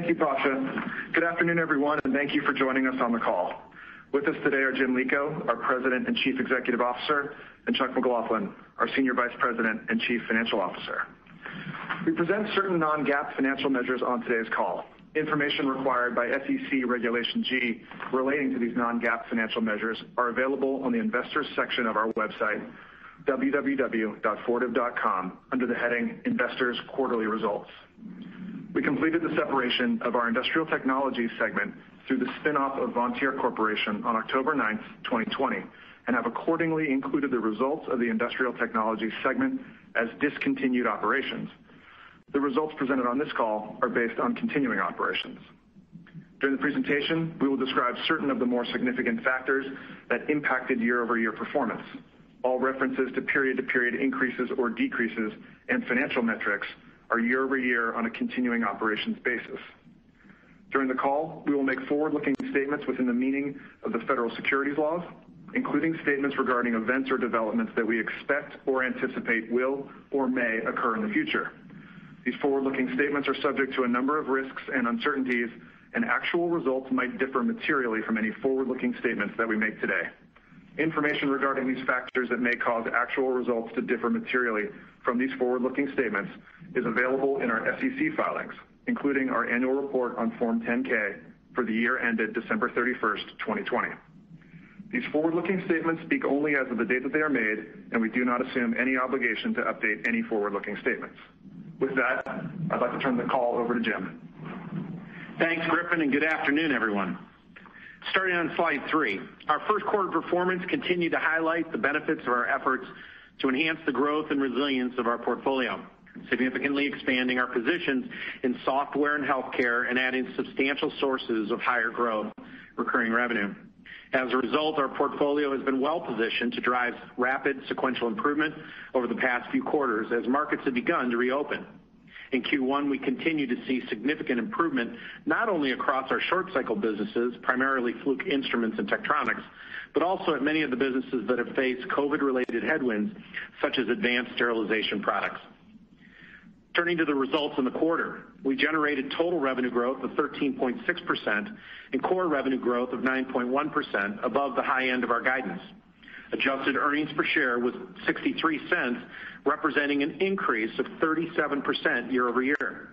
Thank you, Pasha. Good afternoon, everyone, and thank you for joining us on the call. With us today are Jim Lico, our President and Chief Executive Officer, and Chuck McLaughlin, our Senior Vice President and Chief Financial Officer. We present certain non-GAAP financial measures on today's call. Information required by SEC Regulation G relating to these non-GAAP financial measures are available on the investors section of our website, www.fortive.com, under the heading Investors Quarterly Results. We completed the separation of our Industrial Technology segment through the spinoff of Vontier Corporation on October 9th, 2020, and have accordingly included the results of the Industrial Technology segment as Discontinued Operations. The results presented on this call are based on Continuing Operations. During the presentation, we will describe certain of the more significant factors that impacted year-over-year performance. All references to period-to-period increases or decreases in financial metrics are year-over-year on a continuing operations basis. During the call, we will make forward-looking statements within the meaning of the federal securities laws, including statements regarding events or developments that we expect or anticipate will or may occur in the future. These forward-looking statements are subject to a number of risks and uncertainties, and actual results might differ materially from any forward-looking statements that we make today. Information regarding these factors that may cause actual results to differ materially from these forward-looking statements is available in our SEC filings, including our annual report on Form 10-K for the year ended December 31st, 2020. These forward-looking statements speak only as of the date that they are made, and we do not assume any obligation to update any forward-looking statements. With that, I'd like to turn the call over to Jim. Thanks, Griffin. Good afternoon, everyone. Starting on slide three, our first quarter performance continued to highlight the benefits of our efforts to enhance the growth and resilience of our portfolio, significantly expanding our positions in software and healthcare and adding substantial sources of higher growth recurring revenue. As a result, our portfolio has been well-positioned to drive rapid sequential improvement over the past few quarters as markets have begun to reopen. In Q1, we continued to see significant improvement not only across our short-cycle businesses, primarily Fluke Instruments and Tektronix, but also at many of the businesses that have faced COVID-related headwinds, such as Advanced Sterilization Products. Turning to the results in the quarter, we generated total revenue growth of 13.6% and core revenue growth of 9.1% above the high end of our guidance. Adjusted earnings per share was $0.63, representing an increase of 37% year-over-year.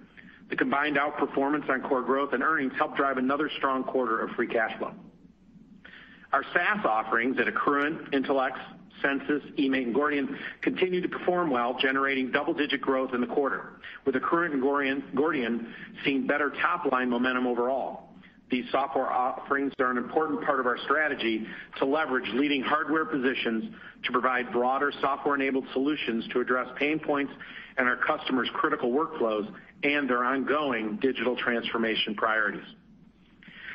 The combined outperformance on core growth and earnings helped drive another strong quarter of free cash flow. Our SaaS offerings at Accruent, Intelex, Censis, eMaint, and Gordian continued to perform well, generating double-digit growth in the quarter, with Accruent and Gordian seeing better top-line momentum overall. These software offerings are an important part of our strategy to leverage leading hardware positions to provide broader software-enabled solutions to address pain points in our customers' critical workflows and their ongoing digital transformation priorities.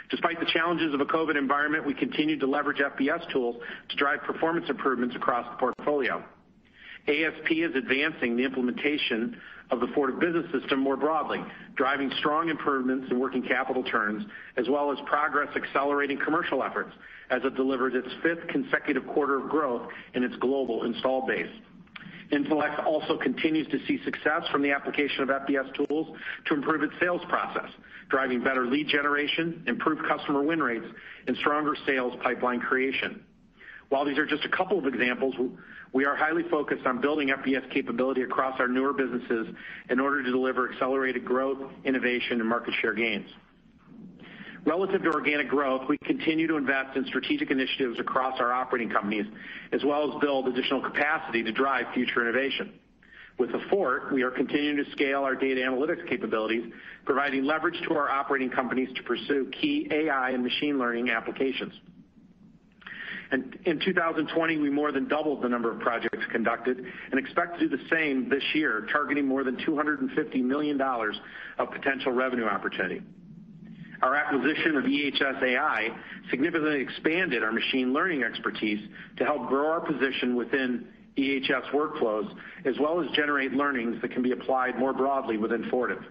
Despite the challenges of a COVID environment, we continued to leverage FBS tools to drive performance improvements across the portfolio. ASP is advancing the implementation of the Fortive Business System more broadly, driving strong improvements in working capital turns, as well as progress accelerating commercial efforts as it delivered its fifth consecutive quarter of growth in its global install base. Intelex also continues to see success from the application of FBS tools to improve its sales process, driving better lead generation, improved customer win rates, and stronger sales pipeline creation. While these are just a couple of examples, we are highly focused on building FBS capability across our newer businesses in order to deliver accelerated growth, innovation, and market share gains. Relative to organic growth, we continue to invest in strategic initiatives across our operating companies, as well as build additional capacity to drive future innovation. With The Fort, we are continuing to scale our data analytics capabilities, providing leverage to our operating companies to pursue key AI and machine learning applications. In 2020, we more than doubled the number of projects conducted and expect to do the same this year, targeting more than $250 million of potential revenue opportunity. Our acquisition of ehsAI significantly expanded our machine learning expertise to help grow our position within EHS workflows, as well as generate learnings that can be applied more broadly within Fortive.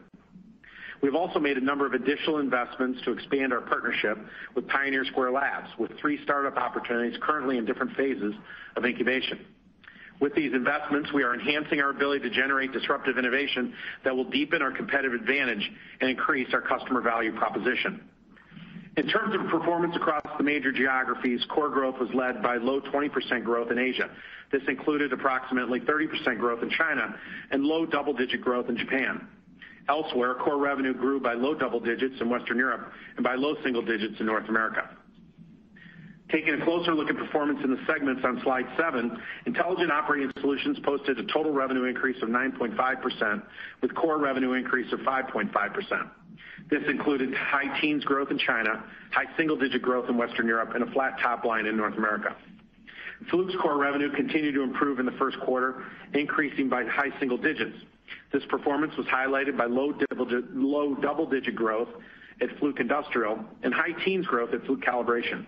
We've also made a number of additional investments to expand our partnership with Pioneer Square Labs, with three startup opportunities currently in different phases of incubation. With these investments, we are enhancing our ability to generate disruptive innovation that will deepen our competitive advantage and increase our customer value proposition. In terms of performance across the major geographies, core growth was led by low 20% growth in Asia. This included approximately 30% growth in China and low double-digit growth in Japan. Elsewhere, core revenue grew by low double digits in Western Europe and by low single digits in North America. Taking a closer look at performance in the segments on slide seven, Intelligent Operating Solutions posted a total revenue increase of 9.5% with core revenue increase of 5.5%. This included high teens growth in China, high single-digit growth in Western Europe, and a flat top line in North America. Fluke's core revenue continued to improve in the first quarter, increasing by high single digits. This performance was highlighted by low double-digit growth at Fluke Industrial and high teens growth at Fluke Calibration.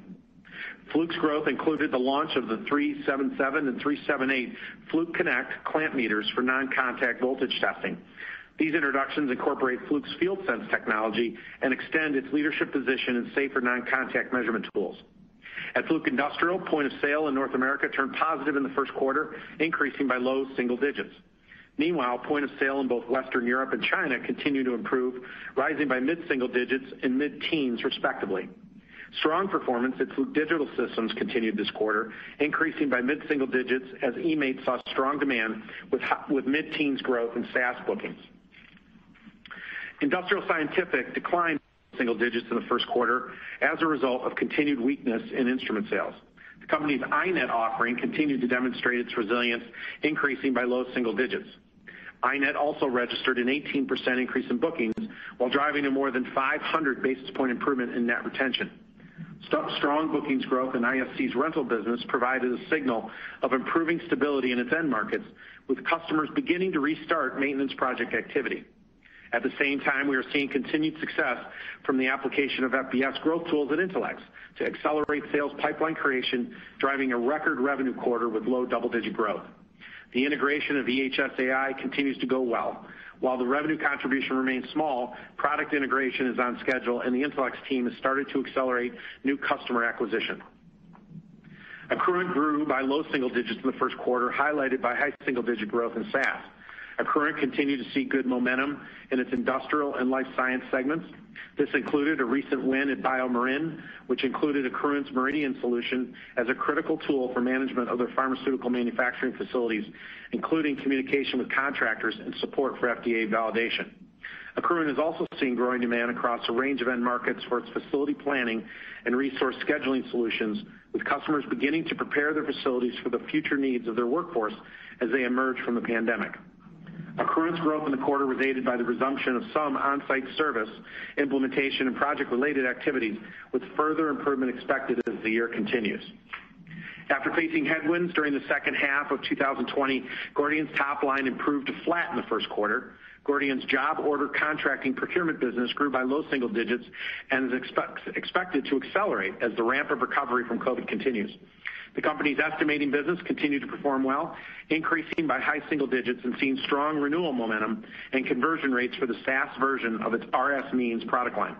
Fluke's growth included the launch of the 377 and 378 Fluke Connect clamp meters for non-contact voltage testing. These introductions incorporate Fluke's FieldSense technology and extend its leadership position in safer non-contact measurement tools. At Fluke Industrial, point of sale in North America turned positive in the first quarter, increasing by low single digits. Meanwhile, point of sale in both Western Europe and China continued to improve, rising by mid-single digits and mid-teens respectively. Strong performance at Fluke Digital Systems continued this quarter, increasing by mid-single digits as eMaint saw strong demand with mid-teens growth in SaaS bookings. Industrial Scientific declined single digits in the first quarter as a result of continued weakness in instrument sales. The company's iNet offering continued to demonstrate its resilience, increasing by low single digits. iNet also registered an 18% increase in bookings while driving a more than 500 basis point improvement in net retention. Strong bookings growth in ISC's rental business provided a signal of improving stability in its end markets, with customers beginning to restart maintenance project activity. At the same time, we are seeing continued success from the application of FBS growth tools at Intelex to accelerate sales pipeline creation, driving a record revenue quarter with low double-digit growth. The integration of ehsAI continues to go well. While the revenue contribution remains small, product integration is on schedule, and the Intelex team has started to accelerate new customer acquisition. Accruent grew by low single digits in the first quarter, highlighted by high single-digit growth in SaaS. Accruent continued to see good momentum in its industrial and life science segments. This included a recent win at BioMarin, which included Accruent's Meridian solution as a critical tool for management of their pharmaceutical manufacturing facilities, including communication with contractors and support for FDA validation. Accruent has also seen growing demand across a range of end markets for its facility planning and resource scheduling solutions, with customers beginning to prepare their facilities for the future needs of their workforce as they emerge from the pandemic. Accruent's growth in the quarter was aided by the resumption of some on-site service implementation and project-related activities, with further improvement expected as the year continues. After facing headwinds during the second half of 2020, Gordian's top line improved to flat in the first quarter. Gordian's job order contracting procurement business grew by low single digits and is expected to accelerate as the ramp of recovery from COVID continues. The company's estimating business continued to perform well, increasing by high single digits and seeing strong renewal momentum and conversion rates for the SaaS version of its RSMeans product line.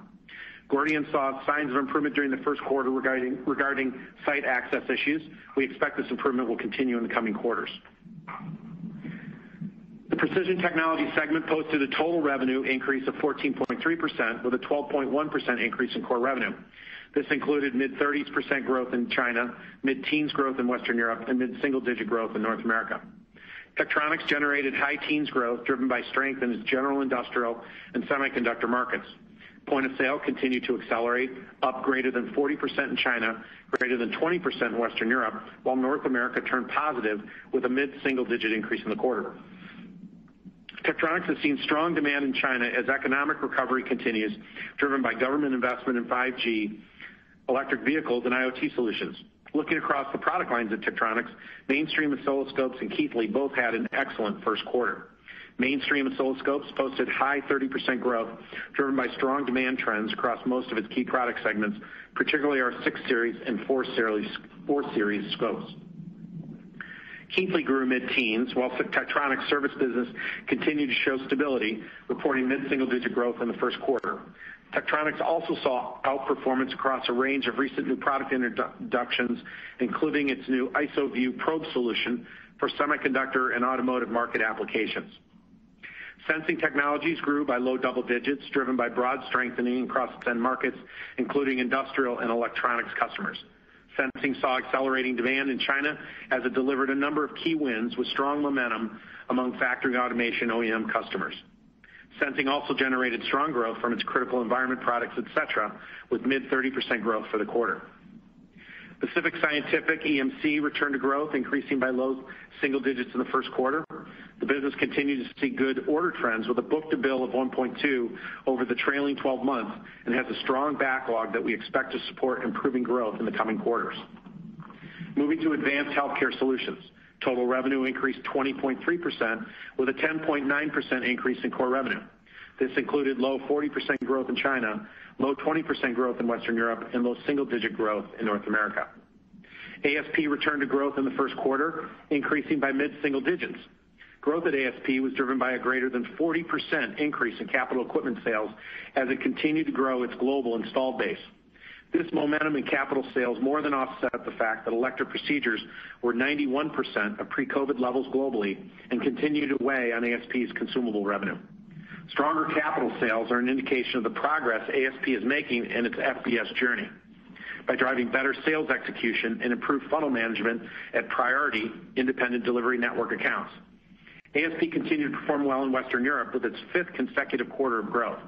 Gordian saw signs of improvement during the first quarter regarding site access issues. We expect this improvement will continue in the coming quarters. The Precision Technologies segment posted a total revenue increase of 14.3%, with a 12.1% increase in core revenue. This included mid-30s% growth in China, mid-teens growth in Western Europe, and mid-single-digit growth in North America. Tektronix generated high teens growth, driven by strength in its general industrial and semiconductor markets. Point of sale continued to accelerate, up greater than 40% in China, greater than 20% in Western Europe, while North America turned positive with a mid-single-digit increase in the quarter. Tektronix has seen strong demand in China as economic recovery continues, driven by government investment in 5G, electric vehicles, and IoT solutions. Looking across the product lines at Tektronix, Mainstream Oscilloscopes and Keithley both had an excellent first quarter. Mainstream Oscilloscopes posted high 30% growth, driven by strong demand trends across most of its key product segments, particularly our 6 Series and 4 Series scopes. Keithley grew mid-teens, while Tektronix service business continued to show stability, reporting mid-single-digit growth in the first quarter. Tektronix also saw outperformance across a range of recent new product introductions, including its new IsoVu probe solution for semiconductor and automotive market applications. Sensing Technologies grew by low double digits, driven by broad strengthening across its end markets, including industrial and electronics customers. Sensing saw accelerating demand in China as it delivered a number of key wins with strong momentum among factory automation OEM customers. Sensing also generated strong growth from its critical environment products, etc., with mid-30% growth for the quarter. Pacific Scientific EMC returned to growth, increasing by low single digits in the first quarter. The business continued to see good order trends with a book-to-bill of 1.2 over the trailing 12 months and has a strong backlog that we expect to support improving growth in the coming quarters. Moving to Advanced Healthcare Solutions. Total revenue increased 20.3%, with a 10.9% increase in core revenue. This included low 40% growth in China, low 20% growth in Western Europe, and low single-digit growth in North America. ASP returned to growth in the first quarter, increasing by mid-single digits. Growth at ASP was driven by a greater than 40% increase in capital equipment sales as it continued to grow its global installed base. This momentum in capital sales more than offset the fact that elective procedures were 91% of pre-COVID levels globally and continued to weigh on ASP's consumable revenue. Stronger capital sales are an indication of the progress ASP is making in its FBS journey by driving better sales execution and improved funnel management at priority independent delivery network accounts. ASP continued to perform well in Western Europe with its fifth consecutive quarter of growth.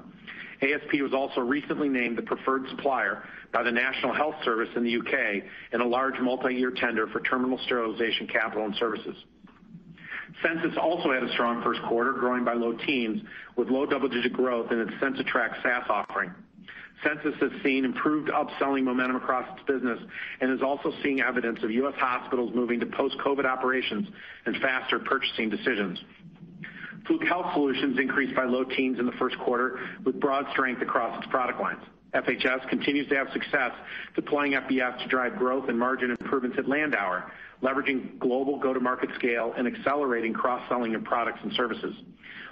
ASP was also recently named the Preferred Supplier by the National Health Service in the U.K. in a large multi-year tender for terminal sterilization capital and services. Censis also had a strong first quarter, growing by low teens with low double-digit growth in its CensiTrac SaaS offering. Censis has seen improved upselling momentum across its business and is also seeing evidence of U.S. hospitals moving to post-COVID operations and faster purchasing decisions. Fluke Health Solutions increased by low teens in the first quarter with broad strength across its product lines. FHS continues to have success deploying FBS to drive growth and margin improvements at Landauer, leveraging global go-to-market scale and accelerating cross-selling of products and services.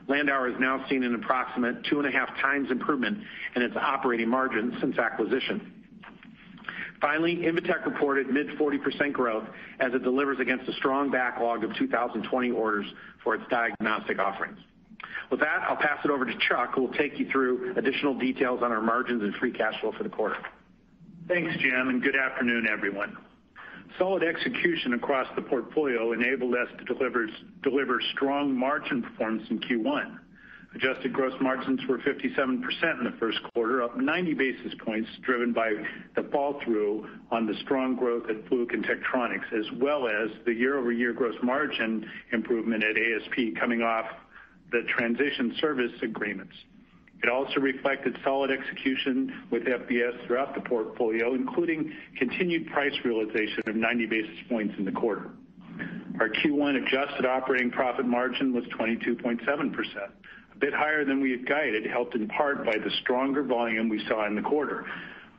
Landauer has now seen an approximate 2.5x Improvement in its operating margin since acquisition. Finally, Invetech reported mid 40% growth as it delivers against a strong backlog of 2020 orders for its diagnostic offerings. With that, I'll pass it over to Chuck, who will take you through additional details on our margins and free cash flow for the quarter. Thanks, Jim, and good afternoon, everyone. Solid execution across the portfolio enabled us to deliver strong margin performance in Q1. Adjusted gross margins were 57% in the first quarter, up 90 basis points, driven by the fall through on the strong growth at Fluke and Tektronix, as well as the year-over-year gross margin improvement at ASP coming off the Transitional Service Agreements. It also reflected solid execution with FBS throughout the portfolio, including continued price realization of 90 basis points in the quarter. Our Q1 adjusted operating profit margin was 22.7%, a bit higher than we had guided, helped in part by the stronger volume we saw in the quarter.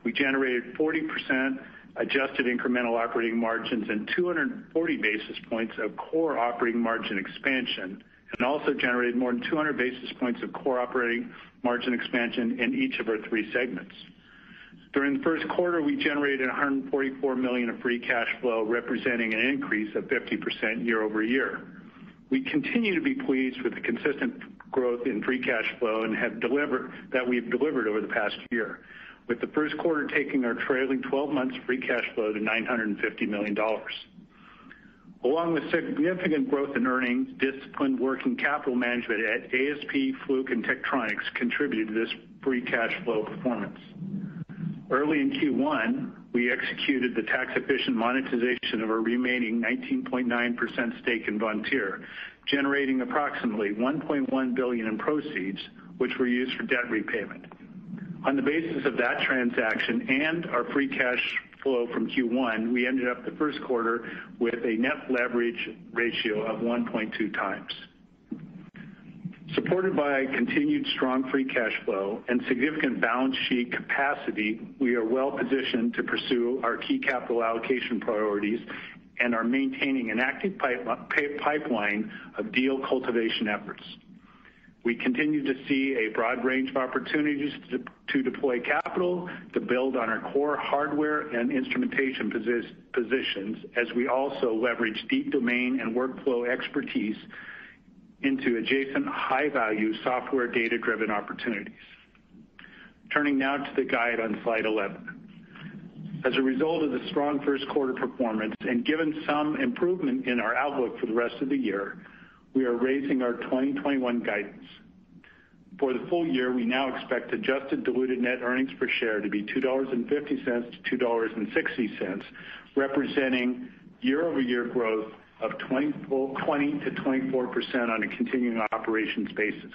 We generated 40% adjusted incremental operating margins and 240 basis points of core operating margin expansion, and also generated more than 200 basis points of core operating margin expansion in each of our three segments. During the first quarter, we generated $144 million of free cash flow, representing an increase of 50% year-over-year. We continue to be pleased with the consistent growth in free cash flow that we've delivered over the past year. With the first quarter taking our trailing 12 months free cash flow to $950 million. Along with significant growth in earnings, disciplined working capital management at ASP, Fluke, and Tektronix contributed to this free cash flow performance. Early in Q1, we executed the tax-efficient monetization of our remaining 19.9% stake in Vontier, generating approximately $1.1 billion in proceeds, which were used for debt repayment. On the basis of that transaction and our free cash flow from Q1, we ended up the first quarter with a net leverage ratio of 1.2x. Supported by continued strong free cash flow and significant balance sheet capacity, we are well-positioned to pursue our key capital allocation priorities and are maintaining an active pipeline of deal cultivation efforts. We continue to see a broad range of opportunities to deploy capital to build on our core hardware and instrumentation positions, as we also leverage deep domain and workflow expertise into adjacent high-value software data-driven opportunities. Turning now to the guide on slide 11. As a result of the strong first quarter performance, and given some improvement in our outlook for the rest of the year, we are raising our 2021 guidance. For the full year, we now expect adjusted diluted net earnings per share to be $2.50-$2.60, representing year-over-year growth of 20%-24% on a continuing operations basis.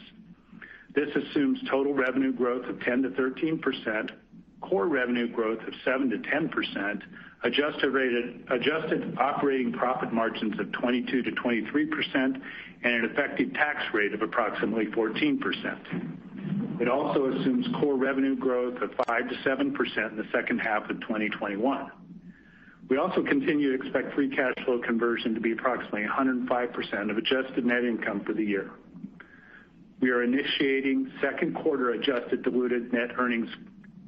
This assumes total revenue growth of 10%-13%, core revenue growth of 7%-10%, adjusted operating profit margins of 22%-23%, and an effective tax rate of approximately 14%. It also assumes core revenue growth of 5%-7% in the second half of 2021. We also continue to expect free cash flow conversion to be approximately 105% of adjusted net income for the year. We are initiating second quarter adjusted diluted net earnings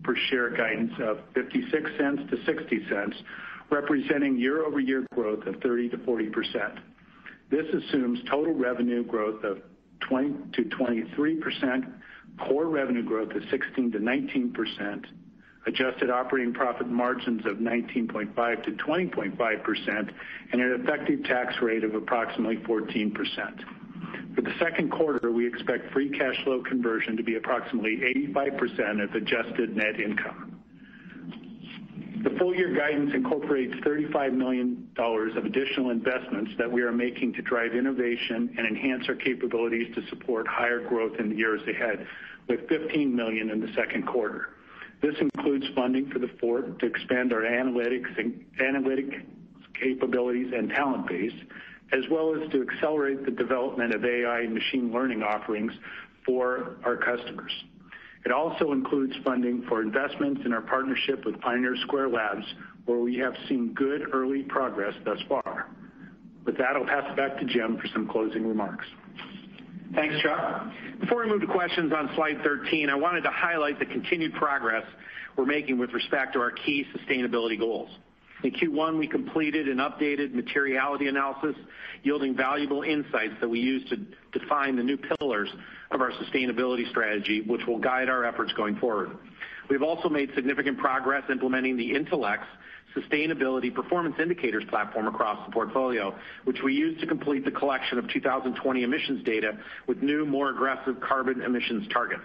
per share guidance of $0.56-$0.60, representing year-over-year growth of 30%-40%. This assumes total revenue growth of 20%-23%, core revenue growth of 16%-19%, adjusted operating profit margins of 19.5%-20.5%, and an effective tax rate of approximately 14%. For the second quarter, we expect free cash flow conversion to be approximately 85% of adjusted net income. The full year guidance incorporates $35 million of additional investments that we are making to drive innovation and enhance our capabilities to support higher growth in the years ahead, with $15 million in the second quarter. This includes funding for The Fort to expand our analytics capabilities and talent base, as well as to accelerate the development of AI and machine learning offerings for our customers. It also includes funding for investments in our partnership with Pioneer Square Labs, where we have seen good early progress thus far. With that, I'll pass it back to Jim for some closing remarks. Thanks, Chuck. Before we move to questions, on slide 13, I wanted to highlight the continued progress we're making with respect to our key sustainability goals. In Q1, we completed an updated materiality analysis yielding valuable insights that we used to define the new pillars of our sustainability strategy, which will guide our efforts going forward. We've also made significant progress implementing the Intelex sustainability performance indicators platform across the portfolio, which we used to complete the collection of 2020 emissions data with new, more aggressive carbon emissions targets.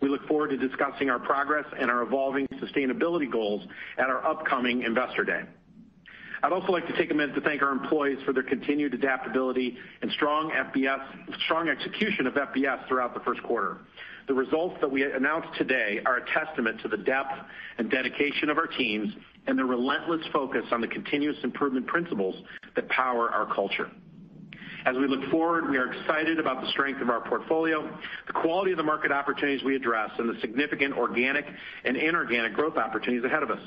We look forward to discussing our progress and our evolving sustainability goals at our upcoming Investor Day. I'd also like to take a minute to thank our employees for their continued adaptability and strong execution of FBS throughout the first quarter. The results that we announced today are a testament to the depth and dedication of our teams and the relentless focus on the continuous improvement principles that power our culture. As we look forward, we are excited about the strength of our portfolio, the quality of the market opportunities we address, and the significant organic and inorganic growth opportunities ahead of us.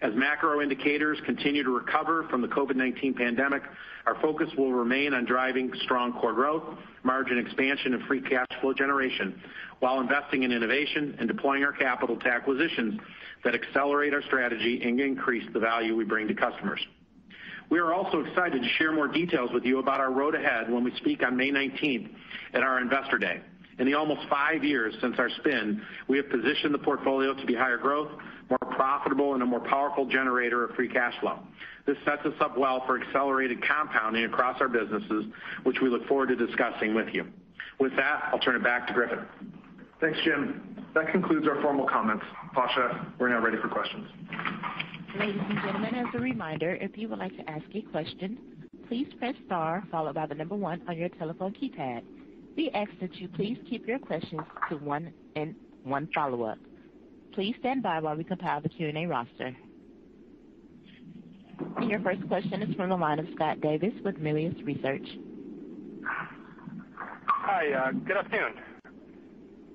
As macro indicators continue to recover from the COVID-19 pandemic, our focus will remain on driving strong core growth, margin expansion, and free cash flow generation, while investing in innovation and deploying our capital to acquisitions that accelerate our strategy and increase the value we bring to customers. We are also excited to share more details with you about our road ahead when we speak on May 19th at our Investor Day. In the almost five years since our spin, we have positioned the portfolio to be higher growth, more profitable, and a more powerful generator of free cash flow. This sets us up well for accelerated compounding across our businesses, which we look forward to discussing with you. With that, I'll turn it back to Griffin. Thanks, Jim. That concludes our formal comments. Tasha, we're now ready for questions. Ladies and gentlemen, as a reminder, if you would like to ask a question, please press star followed by the number one on your telephone keypad. We ask that you please keep your questions to one and one follow-up. Please stand by while we compile the Q&A roster. Your first question is from the line of Scott Davis with Melius Research. Hi, good afternoon.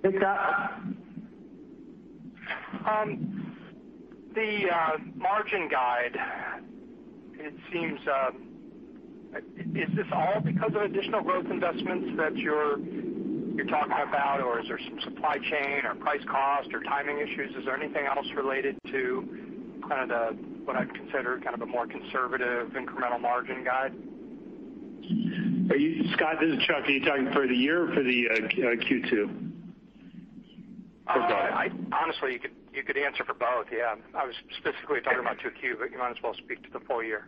Good stuff. The margin guide, is this all because of additional growth investments that you're talking about, or is there some supply chain or price cost or timing issues? Is there anything else related to what I'd consider kind of a more conservative incremental margin guide? Scott, this is Chuck. Are you talking for the year or for the Q2? Honestly, you could answer for both. Yeah. I was specifically talking about 2Q, but you might as well speak to the full year.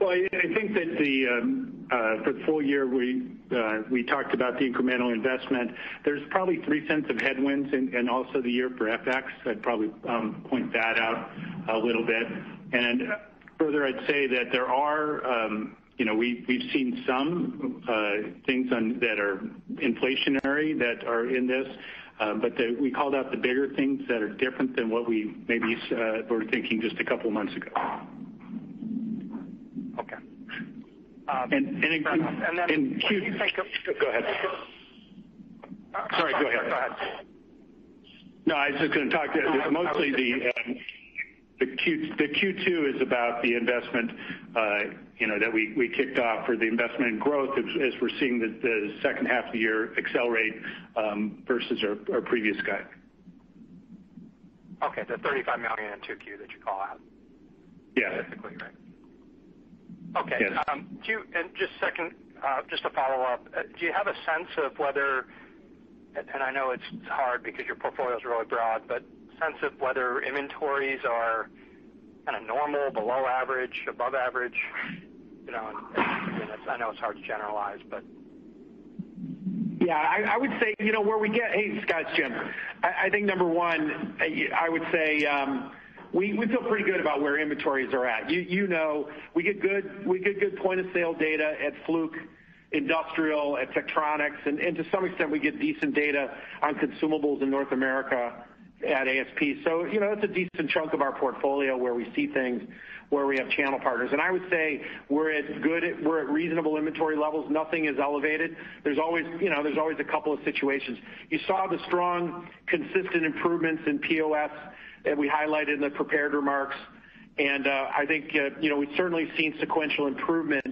Well, I think that for the full year, we talked about the incremental investment. There's probably $0.03 of headwinds in also the year for FX. I'd probably point that out a little bit. Further, I'd say that we've seen some things that are inflationary that are in this, but we called out the bigger things that are different than what we maybe were thinking just a couple of months ago. Okay. And in Q- And then when you think of- Go ahead. Sorry, go ahead. No, I was just going to talk mostly the Q2 is about the investment that we kicked off for the investment in growth as we're seeing the second half of the year accelerate versus our previous guide. Okay, the $35 million in 2Q that you call out. Yeah. Basically, right? Yes. Okay. Just second, just to follow up, do you have a sense of whether, and I know it's hard because your portfolio's really broad, but sense of whether inventories are kind of normal, below average, above average? I know it's hard to generalize. Hey, Scott, Jim. I think number one, I would say we feel pretty good about where inventories are at. You know we get good point of sale data at Fluke Industrial, at Tektronix, and to some extent we get decent data on consumables in North America at ASP. That's a decent chunk of our portfolio where we see things, where we have channel partners. I would say we're at reasonable inventory levels. Nothing is elevated. There's always a couple of situations. You saw the strong, consistent improvements in POS that we highlighted in the prepared remarks. I think we've certainly seen sequential improvement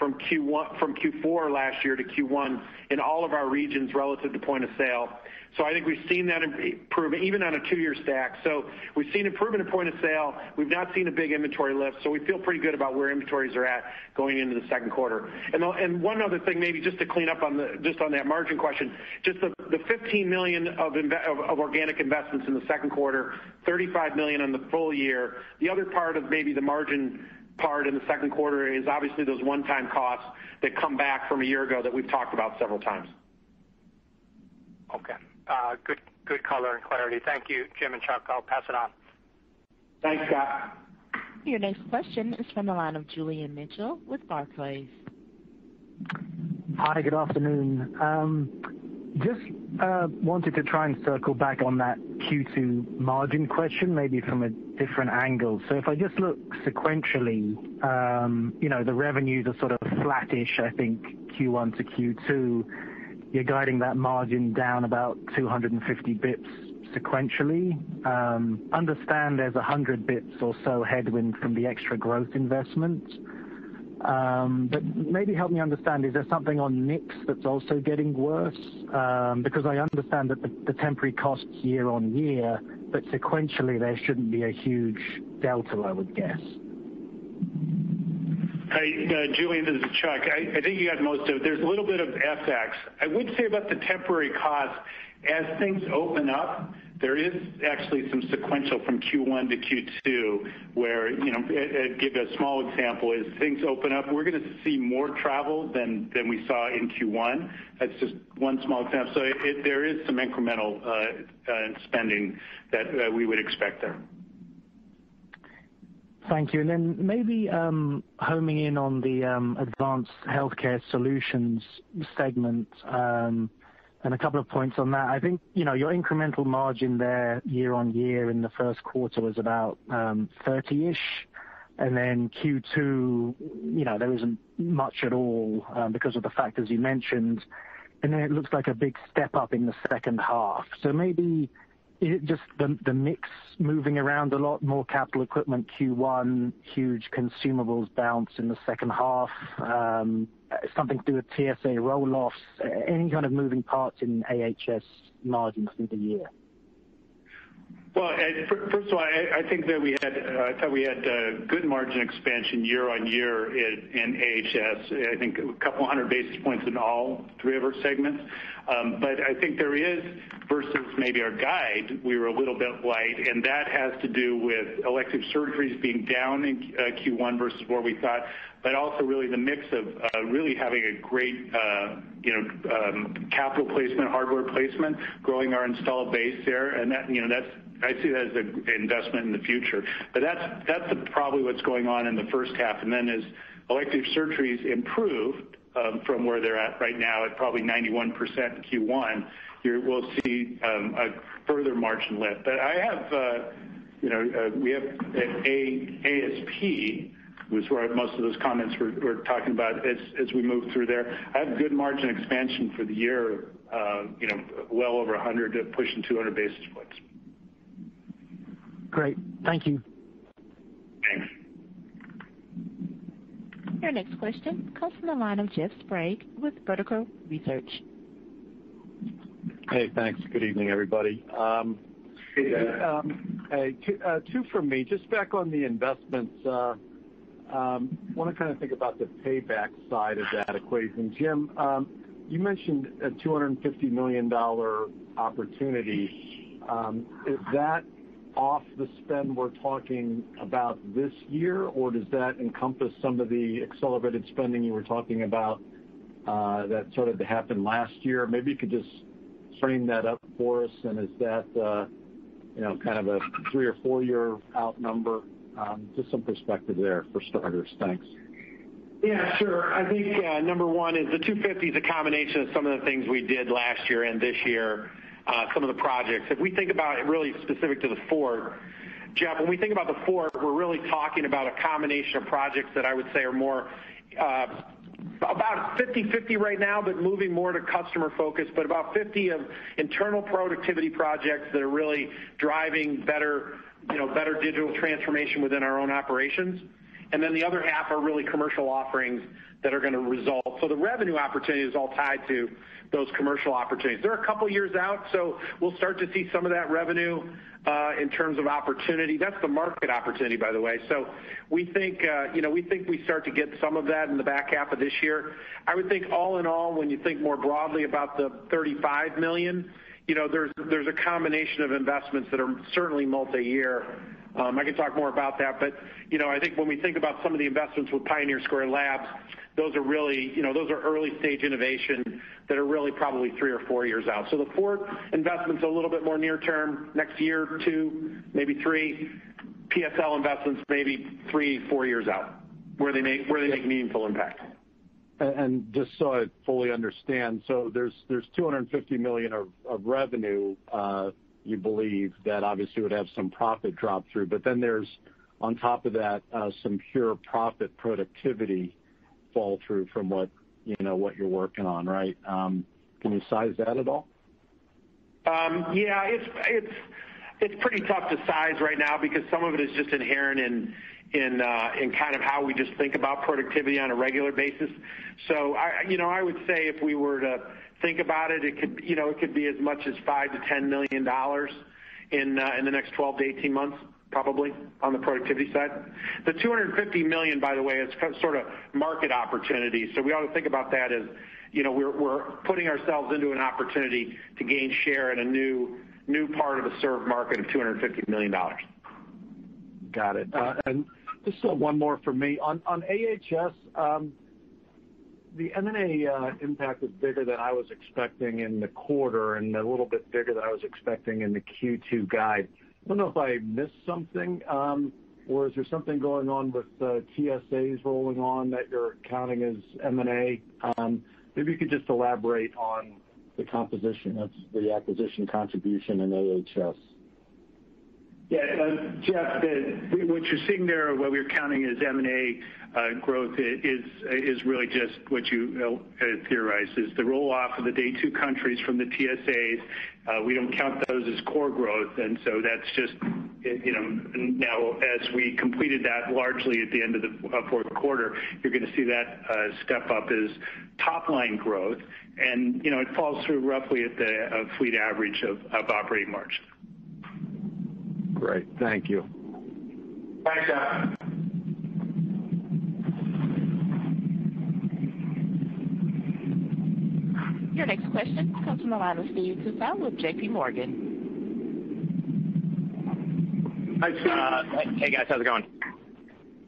from Q4 last year to Q1 in all of our regions relative to point of sale. I think we've seen that improvement even on a two-year stack. We've seen improvement in point of sale. We've not seen a big inventory lift. We feel pretty good about where inventories are at going into the second quarter. One other thing, maybe just to clean up just on that margin question, just the $15 million of organic investments in the second quarter, $35 million on the full year. The other part of maybe the margin part in the second quarter is obviously those one-time costs that come back from a year ago that we've talked about several times. Okay. Good color and clarity. Thank you, Jim and Chuck. I'll pass it on. Thanks, Scott. Your next question is from the line of Julian Mitchell with Barclays. Hi, good afternoon. Just wanted to try and circle back on that Q2 margin question, maybe from a different angle. If I just look sequentially, the revenues are sort of flattish, I think Q1 to Q2. You're guiding that margin down about 250 bits sequentially. Understand there's 100 bits or so headwind from the extra growth investment. Maybe help me understand, is there something on mix that's also getting worse becauseI understand the temporary costs year-over-year, but sequentially, there shouldn't be a huge delta, I would guess. Hi, Julian, this is Chuck. I think you got most of it. There's a little bit of FX. I would say about the temporary cost, as things open up, there is actually some sequential from Q1 to Q2 where, give a small example, as things open up, we're going to see more travel than we saw in Q1. That's just one small example. There is some incremental spending that we would expect there. Thank you. Maybe homing in on the Advanced Healthcare Solutions segment and a couple of points on that. I think your incremental margin there year-over-year in the first quarter was about 30%. Q2, there wasn't much at all because of the factors you mentioned. It looks like a big step up in the second half. Maybe just the mix moving around a lot, more capital equipment Q1, huge consumables bounce in the second half. Something to do with TSA roll-offs. Any kind of moving parts in AHS margins through the year? Well, first of all, I thought we had good margin expansion year-over-year in AHS. I think 200 basis points in all three of our segments. I think there is, versus maybe our guide, we were a little bit light, and that has to do with elective surgeries being down in Q1 versus where we thought, but also really the mix of really having a great capital placement, hardware placement, growing our installed base there. I see that as an investment in the future. That's probably what's going on in the first half and then as elective surgeries improve from where they're at right now, at probably 91% in Q1, we'll see a further margin lift. ASP was where most of those comments we were talking about as we move through there. I have good margin expansion for the year, well over 100, pushing 200 basis points. Great. Thank you. Thanks. Your next question comes from the line of Jeff Sprague with Vertical Research. Hey, thanks. Good evening, everybody. Hey, Jeff. Two from me. Just back on the investments. Want to kind of think about the payback side of that equation. Jim, you mentioned a $250 million opportunity. Is that off the spend we're talking about this year, or does that encompass some of the accelerated spending you were talking about that started to happen last year? Maybe you could just frame that up for us, and is that kind of a three or four year out number? Just some perspective there for starters. Thanks. Yeah, sure. I think number one is the $250 million is a combination of some of the things we did last year and this year, some of the projects. If we think about it really specific to The Fort. Jeff, when we think about The Fort, we're really talking about a combination of projects that I would say are more about 50-50 right now, but moving more to customer focus. About 50 of internal productivity projects that are really driving better digital transformation within our own operations. The other half are really commercial offerings that are going to result. The revenue opportunity is all tied to those commercial opportunities. They're a couple of years out, we'll start to see some of that revenue, in terms of opportunity. That's the market opportunity, by the way. We think we start to get some of that in the back half of this year. I would think all in all, when you think more broadly about the $35 million, there's a combination of investments that are certainly multi-year. I can talk more about that. I think when we think about some of the investments with Pioneer Square Labs, those are early stage innovation that are really probably three or four years out. The Fort investment's a little bit more near term, next year, two, maybe three. PSL investments may be three, four years out, where they make meaningful impact. Just so I fully understand, so there's $250 million of revenue you believe that obviously would have some profit drop through. Then there's, on top of that, some pure profit productivity fall through from what you're working on, right? Can you size that at all? Yeah. It's pretty tough to size right now because some of it is just inherent in kind of how we just think about productivity on a regular basis. I would say if we were to think about it could be as much as $5 million-$10 million in the next 12-18 months, probably, on the productivity side. The $250 million, by the way, is sort of market opportunity. We ought to think about that as we're putting ourselves into an opportunity to gain share in a new part of a served market of $250 million. Got it. Just one more from me. On AHS, the M&A impact was bigger than I was expecting in the quarter and a little bit bigger than I was expecting in the Q2 guide. I don't know if I missed something, or is there something going on with the TSAs rolling on that you're counting as M&A? Maybe you could just elaborate on the composition of the acquisition contribution in AHS. Yeah. Jeff, what you're seeing there, what we're counting as M&A growth is really just what you theorized, is the roll-off of the day two countries from the TSAs. We don't count those as core growth, and so that's just now as we completed that largely at the end of the fourth quarter, you're going to see that step-up as top-line growth, and it falls through roughly at the fleet average of operating margin. Great. Thank you. Thanks, Jeff. Your next question comes from the line of Steve Tusa with JPMorgan. Hi, Steve. Hey, guys. How's it going?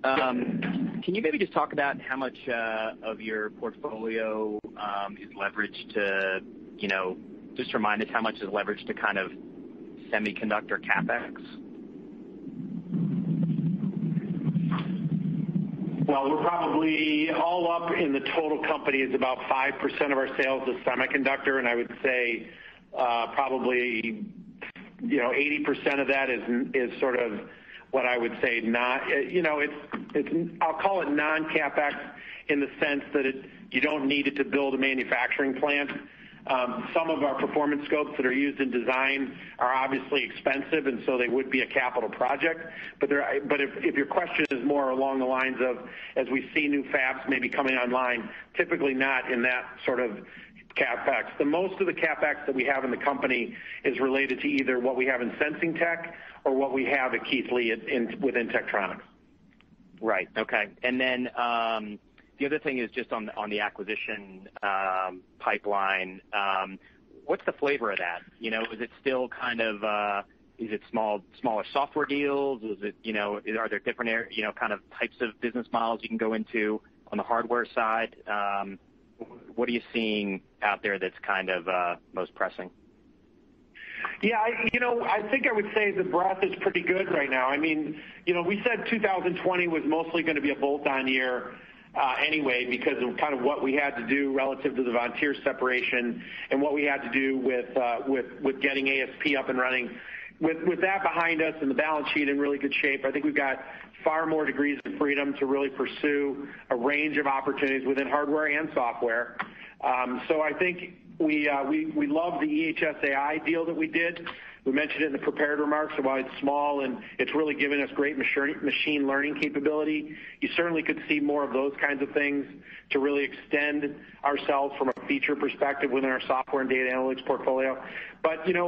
Good. Can you maybe just talk about how much of your portfolio is leveraged to, just remind us how much is leveraged to kind of semiconductor CapEx? We're probably all up in the total company is about 5% of our sales is semiconductor, and I would say probably 80% of that is sort of what I would say I'll call it non-CapEx in the sense that you don't need it to build a manufacturing plant. Some of our performance scopes that are used in design are obviously expensive, and so they would be a capital project. If your question is more along the lines of, as we see new fabs maybe coming online, typically not in that sort of CapEx. The most of the CapEx that we have in the company is related to either what we have in Sensing Tech or what we have at Keithley within Tektronix. Right. Okay. The other thing is just on the acquisition pipeline. What's the flavor of that? Is it smaller software deals? Are there different kind of types of business models you can go into on the hardware side? What are you seeing out there that's most pressing? I think I would say the breadth is pretty good right now. We said 2020 was mostly going to be a bolt-on year anyway because of kind of what we had to do relative to the Vontier separation and what we had to do with getting ASP up and running. With that behind us and the balance sheet in really good shape, I think we've got far more degrees of freedom to really pursue a range of opportunities within hardware and software. I think we love the ehsAI deal that we did. We mentioned it in the prepared remarks about it's small, and it's really given us great machine learning capability. You certainly could see more of those kinds of things to really extend ourselves from a feature perspective within our software and data analytics portfolio.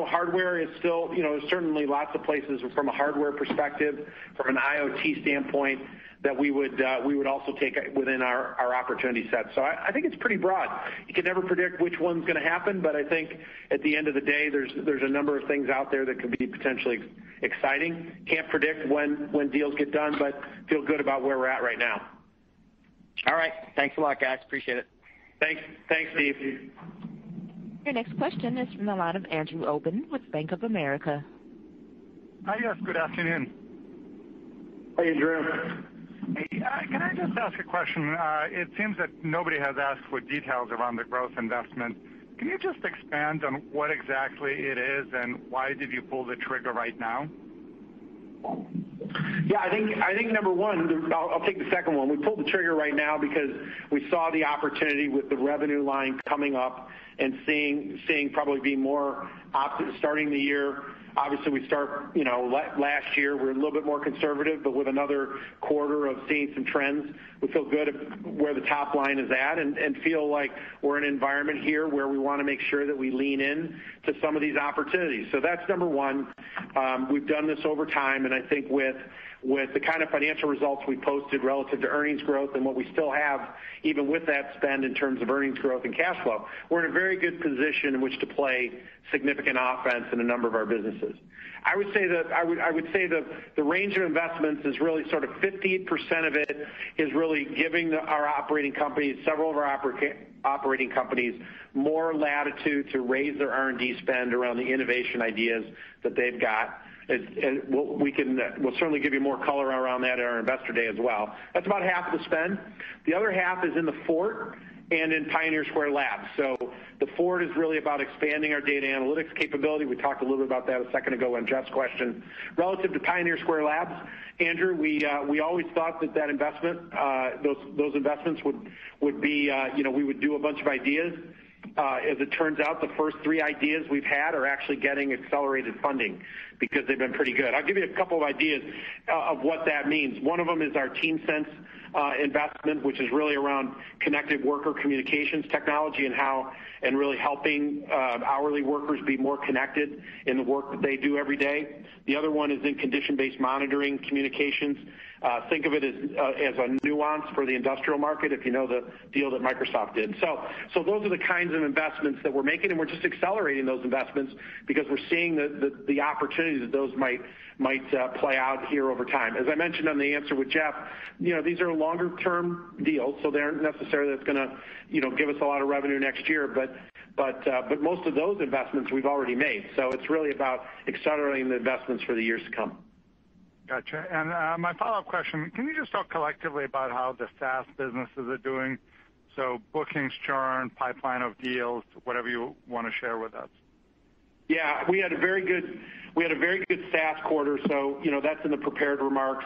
Hardware is still, certainly lots of places from a hardware perspective, from an IoT standpoint, that we would also take within our opportunity set. I think it's pretty broad. You can never predict which one's going to happen, but I think at the end of the day, there's a number of things out there that could be potentially exciting. Can't predict when deals get done, but feel good about where we're at right now. All right. Thanks a lot, guys. Appreciate it. Thanks, Steve. Your next question is from the line of Andrew Obin with Bank of America. Hi, guys. Good afternoon. Hey, Andrew. Hey. Can I just ask a question? It seems that nobody has asked for details around the growth investment. Can you just expand on what exactly it is, and why did you pull the trigger right now? I think number one, I'll take the second one. We pulled the trigger right now because we saw the opportunity with the revenue line coming up and seeing probably being more opt to starting the year. Obviously, we start last year, we're a little bit more conservative, but with another quarter of seeing some trends, we feel good where the top line is at and feel like we're in an environment here where we want to make sure that we lean into some of these opportunities. That's number one. We've done this over time, and I think with the kind of financial results we posted relative to earnings growth and what we still have, even with that spend in terms of earnings growth and cash flow, we're in a very good position in which to play significant offense in a number of our businesses. I would say that the range of investments is really sort of 58% of it is really giving our operating companies, several of our operating companies, more latitude to raise their R&D spend around the innovation ideas that they've got. We'll certainly give you more color around that at our Investor Day as well. That's about half of the spend. The other half is in The Fort and in Pioneer Square Labs. The Fort is really about expanding our data analytics capability. We talked a little bit about that a second ago on Jeff's question. Relative to Pioneer Square Labs, Andrew, we always thought that those investments would be, we would do a bunch of ideas. As it turns out, the first three ideas we've had are actually getting accelerated funding because they've been pretty good. I'll give you a couple of ideas of what that means. One of them is our TeamSense investment, which is really around connected worker communications technology and really helping hourly workers be more connected in the work that they do every day. The other one is in condition-based monitoring communications. Think of it as a nuance for the industrial market, if you know the deal that Microsoft did. Those are the kinds of investments that we're making, and we're just accelerating those investments because we're seeing the opportunities that those might play out here over time. As I mentioned on the answer with Jeff, these are longer-term deals, so they aren't necessarily that's going to give us a lot of revenue next year but most of those investments we've already made so it's really about accelerating the investments for the years to come. Got you. My follow-up question, can you just talk collectively about how the SaaS businesses are doing? Bookings, churn, pipeline of deals, whatever you want to share with us. Yeah. We had a very good SaaS quarter, so that's in the prepared remarks.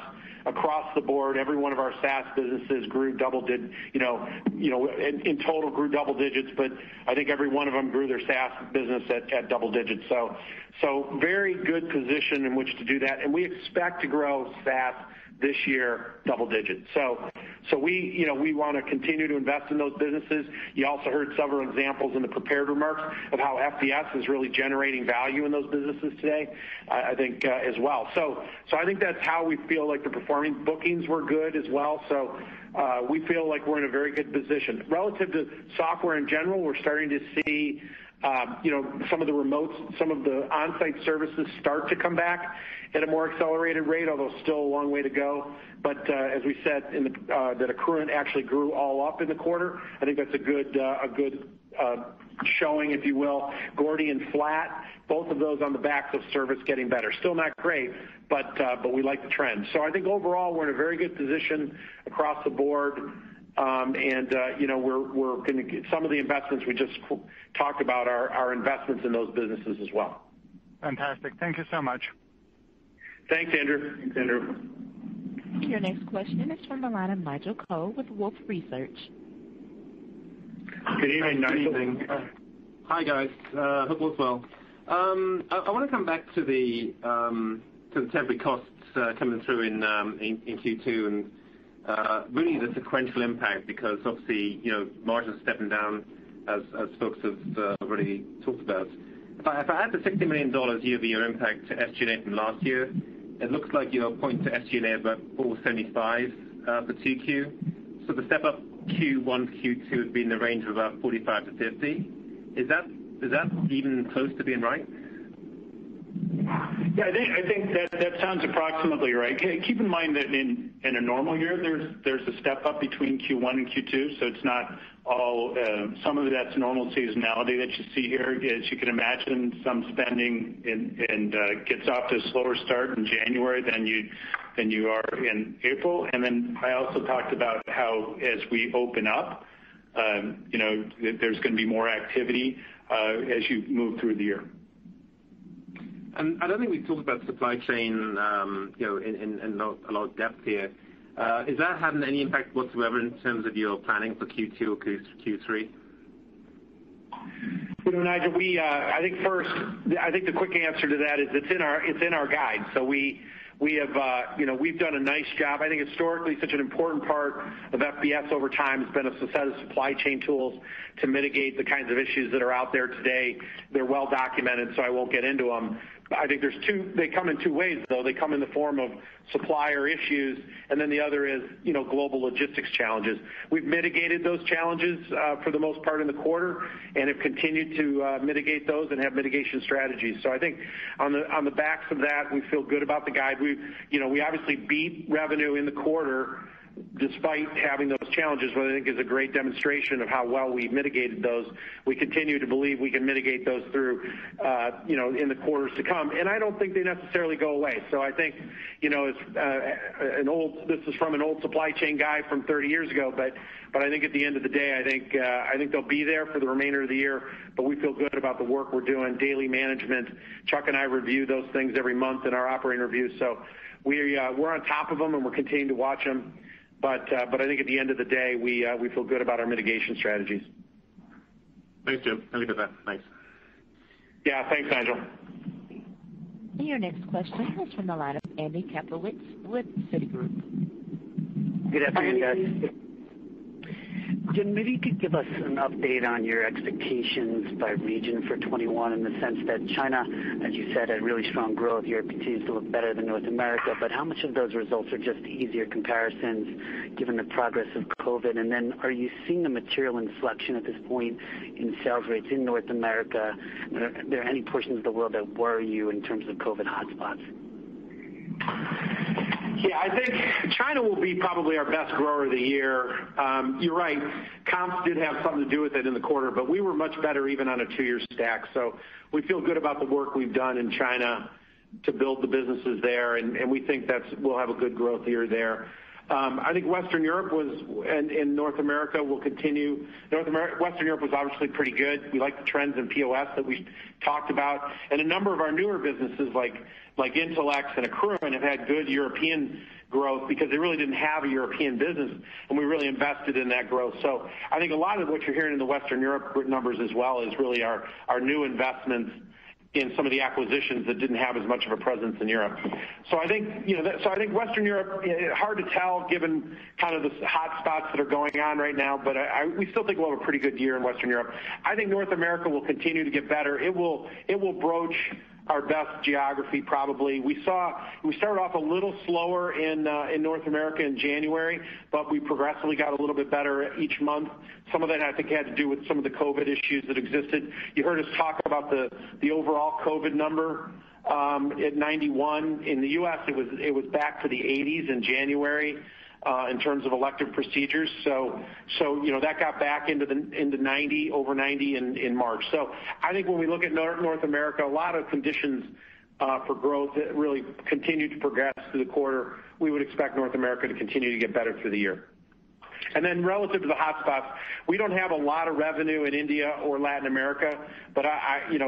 Across the board, every one of our SaaS businesses grew double-digit, in total grew double digits, but I think every one of them grew their SaaS business at double digits. Very good position in which to do that, we expect to grow SaaS this year double digits. We want to continue to invest in those businesses. You also heard several examples in the prepared remarks of how FBS is really generating value in those businesses today, I think, as well. I think that's how we feel like they're performing. Bookings were good as well. We feel like we're in a very good position. Relative to software in general, we're starting to see some of the remotes, some of the on-site services start to come back at a more accelerated rate, although still a long way to go. As we said, that Accruent actually grew all up in the quarter. I think that's a good showing, if you will. Gordian flat, both of those on the backs of service getting better. Still not great, but we like the trend. I think overall, we're in a very good position across the board. Some of the investments we just talked about are investments in those businesses as well. Fantastic. Thank you so much. Thanks, Andrew. Thanks, Andrew. Your next question is from the line of Nigel Coe with Wolfe Research. Good evening. Good evening. Hi, guys. Hope all is well. I want to come back to the temporary costs coming through in Q2 and really the sequential impact because obviously, margins stepping down as folks have already talked about. If I add the $60 million year-over-year impact to SG&A from last year, it looks like you're pointing to SG&A of about $475 for 2Q. The step-up Q1, Q2 would be in the range of about $45-$50. Is that even close to being right? Yeah, I think that sounds approximately right. Keep in mind that in a normal year, there's a step-up between Q1 and Q2. Some of that's normal seasonality that you see here. As you can imagine, some spending gets off to a slower start in January than you are in April. I also talked about how as we open up, there's going to be more activity as you move through the year. I don't think we've talked about supply chain in a lot of depth here. Is that having any impact whatsoever in terms of your planning for Q2 or Q3? Nigel, I think the quick answer to that is it's in our guide. We've done a nice job. I think historically, such an important part of FBS over time has been a set of supply chain tools to mitigate the kinds of issues that are out there today. They're well-documented, so I won't get into them. I think they come in two ways, though. They come in the form of supplier issues, and then the other is global logistics challenges. We've mitigated those challenges for the most part in the quarter and have continued to mitigate those and have mitigation strategies. I think on the backs of that, we feel good about the guide. We obviously beat revenue in the quarter despite having those challenges, what I think is a great demonstration of how well we've mitigated those. We continue to believe we can mitigate those in the quarters to come. I don't think they necessarily go away. I think this is from an old supply chain guy from 30 years ago, but I think at the end of the day, I think they'll be there for the remainder of the year, but we feel good about the work we're doing. Daily management. Chuck and I review those things every month in our operating review. We're on top of them and we're continuing to watch them. I think at the end of the day, we feel good about our mitigation strategies. Thanks, Jim. Let me get that. Thanks. Yeah. Thanks, Nigel. Your next question comes from the line of Andrew Kaplowitz with Citigroup. Good afternoon, guys. Jim, maybe you could give us an update on your expectations by region for 2021 in the sense that China, as you said, had really strong growth here, continues to look better than North America. How much of those results are just easier comparisons given the progress of COVID? Are you seeing the material inflection at this point in sales rates in North America? Are there any portions of the world that worry you in terms of COVID hotspots? Yeah, I think China will be probably our best grower of the year. You're right, comps did have something to do with it in the quarter. We were much better even on a two-year stack. We feel good about the work we've done in China to build the businesses there, and we think we'll have a good growth year there. I think Western Europe and North America will continue. Western Europe was obviously pretty good. We like the trends in POS that we talked about. A number of our newer businesses like Intelex and Accruent have had good European growth because they really didn't have a European business, and we really invested in that growth. I think a lot of what you're hearing in the Western Europe numbers as well is really our new investments in some of the acquisitions that didn't have as much of a presence in Europe. I think Western Europe, hard to tell given kind of the hotspots that are going on right now, but we still think we'll have a pretty good year in Western Europe. I think North America will continue to get better. It will broach our best geography probably. We started off a little slower in North America in January, but we progressively got a little bit better each month. Some of that I think had to do with some of the COVID issues that existed. You heard us talk about the overall COVID number at 91 in the U.S. It was back to the 80s in January in terms of elective procedures, so that got back into over 90 in March. I think when we look at North America, a lot of conditions for growth really continued to progress through the quarter. We would expect North America to continue to get better through the year. Relative to the hotspots, we don't have a lot of revenue in India or Latin America, but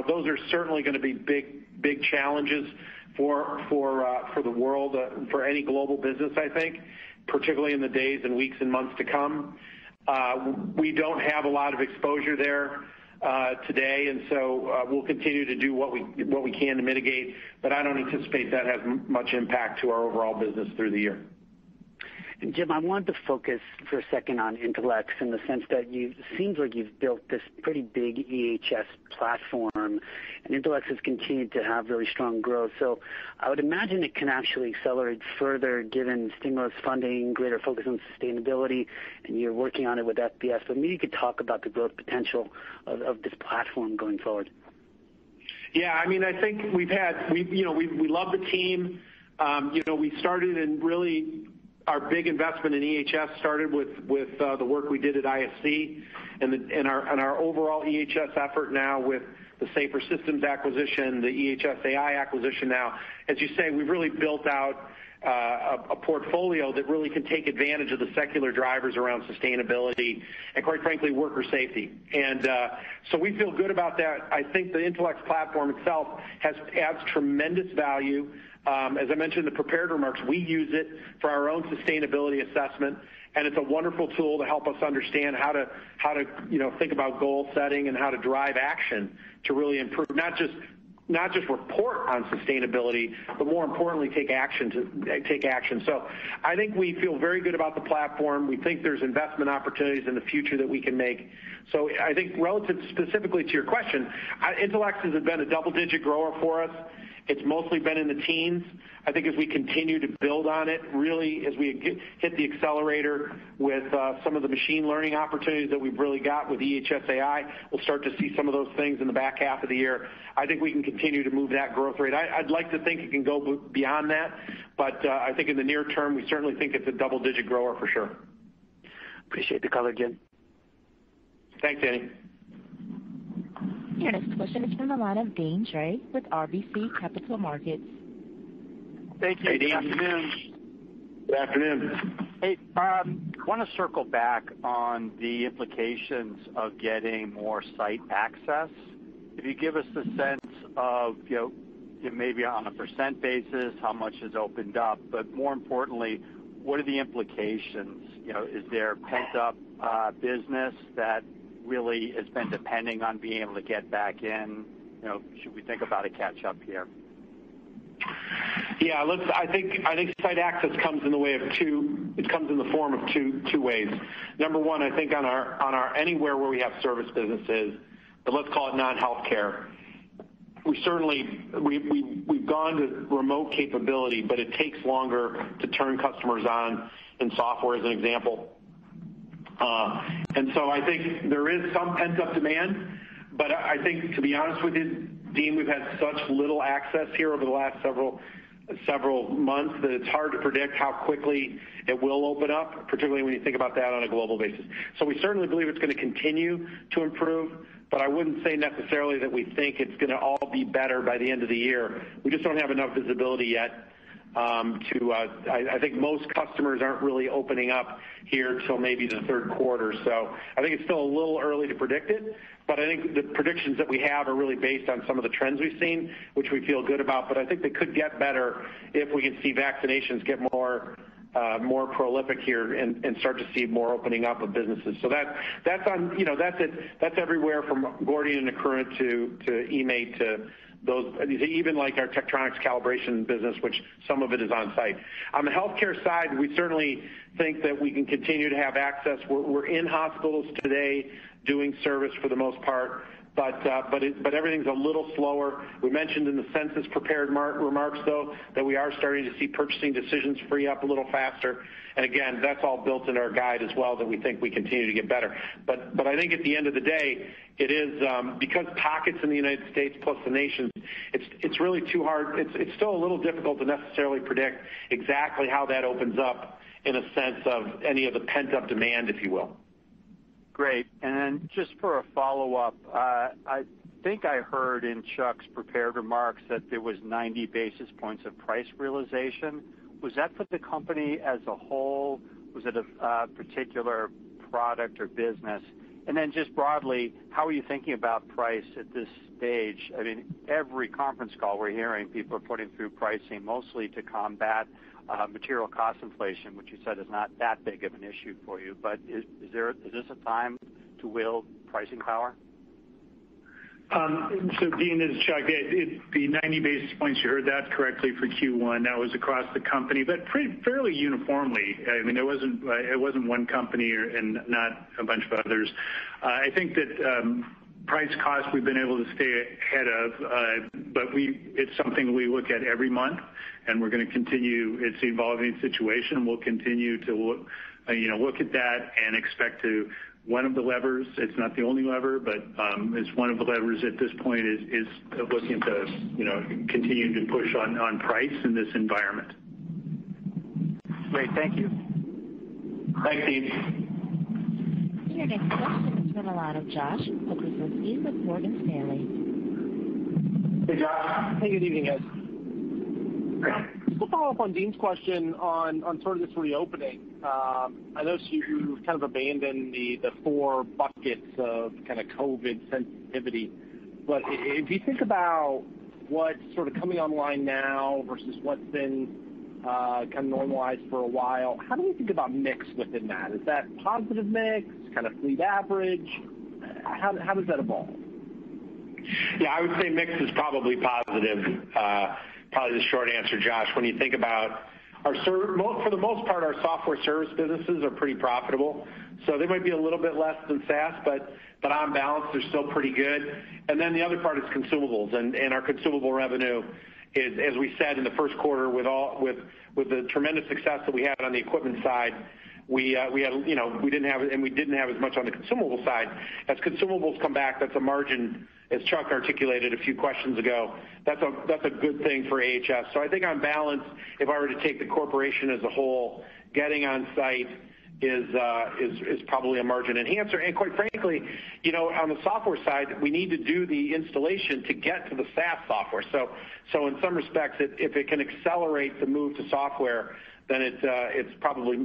those are certainly going to be big challenges for the world, for any global business, I think, particularly in the days and weeks and months to come. We don't have a lot of exposure there today, and so we'll continue to do what we can to mitigate, but I don't anticipate that has much impact to our overall business through the year. Jim, I wanted to focus for a second on Intelex in the sense that it seems like you've built this pretty big EHS platform, and Intelex has continued to have really strong growth. I would imagine it can actually accelerate further given stimulus funding, greater focus on sustainability, and you're working on it with FBS. Maybe you could talk about the growth potential of this platform going forward. Yeah. We love the team. Our big investment in EHS started with the work we did at ISC and our overall EHS effort now with the SAFER Systems acquisition, the ehsAI acquisition now. As you say, we've really built out a portfolio that really can take advantage of the secular drivers around sustainability and quite frankly, worker safety. We feel good about that. I think the Intelex platform itself adds tremendous value. As I mentioned in the prepared remarks, we use it for our own sustainability assessment, and it's a wonderful tool to help us understand how to think about goal setting and how to drive action to really improve not just report on sustainability, but more importantly, take action. I think we feel very good about the platform. We think there's investment opportunities in the future that we can make. I think relative specifically to your question, Intelex has been a double-digit grower for us. It's mostly been in the teens. I think as we continue to build on it, really as we hit the accelerator with some of the machine learning opportunities that we've really got with ehsAI, we'll start to see some of those things in the back half of the year. I think we can continue to move that growth rate. I'd like to think it can go beyond that, but I think in the near term, we certainly think it's a double-digit grower for sure. Appreciate the color, Jim. Thanks, Andy. Your next question is from the line of Deane Dray with RBC Capital Markets. Thank you. Good afternoon. Good afternoon. Hey, I want to circle back on the implications of getting more site access. Could you give us the sense of maybe on a percent basis, how much has opened up? More importantly, what are the implications? Is there pent-up business that really has been depending on being able to get back in? Should we think about a catch-up here? Yeah, I think site access comes in the form of two ways. Number one, I think anywhere where we have service businesses, but let's call it non-healthcare. We've gone to remote capability, but it takes longer to turn customers on in software as an example. I think there is some pent-up demand, but I think, to be honest with you, Dean, we've had such little access here over the last several months that it's hard to predict how quickly it will open up, particularly when you think about that on a global basis. We certainly believe it's going to continue to improve, but I wouldn't say necessarily that we think it's going to all be better by the end of the year. We just don't have enough visibility yet to I think most customers aren't really opening up here till maybe the third quarter. I think it's still a little early to predict it, but I think the predictions that we have are really based on some of the trends we've seen, which we feel good about. I think they could get better if we can see vaccinations get more prolific here and start to see more opening up of businesses. That's everywhere from Gordian and Accruent to eMaint to even our Tektronix calibration business, which some of it is on-site. On the healthcare side, we certainly think that we can continue to have access. We're in hospitals today doing service for the most part, but everything's a little slower. We mentioned in the Censis-prepared remarks, though, that we are starting to see purchasing decisions free up a little faster. Again, that's all built in our guide as well that we think we continue to get better. I think at the end of the day, because pockets in the United States plus the nations, it's still a little difficult to necessarily predict exactly how that opens up in a sense of any of the pent-up demand, if you will. Great, and just for a follow-up, I think I heard in Chuck's prepared remarks that there was 90 basis points of price realization. Was that for the company as a whole? Was it a particular product or business? Just broadly, how are you thinking about price at this stage? Every conference call we're hearing people are putting through pricing mostly to combat material cost inflation, which you said is not that big of an issue for you. Is this a time to wield pricing power? Deane, this is Chuck. The 90 basis points you heard that correctly for Q1. That was across the company, but fairly uniformly. It wasn't one company and not a bunch of others. I think that price cost we've been able to stay ahead of, but it's something we look at every month, and we're going to continue. It's an evolving situation. We'll continue to look at that and expect to one of the levers. It's not the only lever, but it's one of the levers at this point is looking to continue to push on price in this environment. Great. Thank you. Thanks, Deane. Your next question is from the line of Josh Pokrzywinski, with Morgan Stanley. Hey, Josh. Hey, good evening, guys. Hi. Just to follow up on Deane's question on sort of this reopening. I notice you've kind of abandoned the four buckets of kind of COVID sensitivity. If you think about what's sort of coming online now versus what's been kind of normalized for a while, how do you think about mix within that? Is that positive mix, kind of fleet average? How does that evolve? Yeah, I would say mix is probably positive. Probably the short answer, Josh. When you think about for the most part, our software service businesses are pretty profitable. They might be a little bit less than SaaS, but on balance, they're still pretty good. The other part is consumables. Our consumable revenue is, as we said in the first quarter with the tremendous success that we had on the equipment side, and we didn't have as much on the consumable side. As consumables come back, that's a margin, as Chuck articulated a few questions ago, that's a good thing for AHS. I think on balance, if I were to take the corporation as a whole, getting on site is probably a margin enhancer. Quite frankly, on the software side, we need to do the installation to get to the SaaS software. In some respects, if it can accelerate the move to software, then it's probably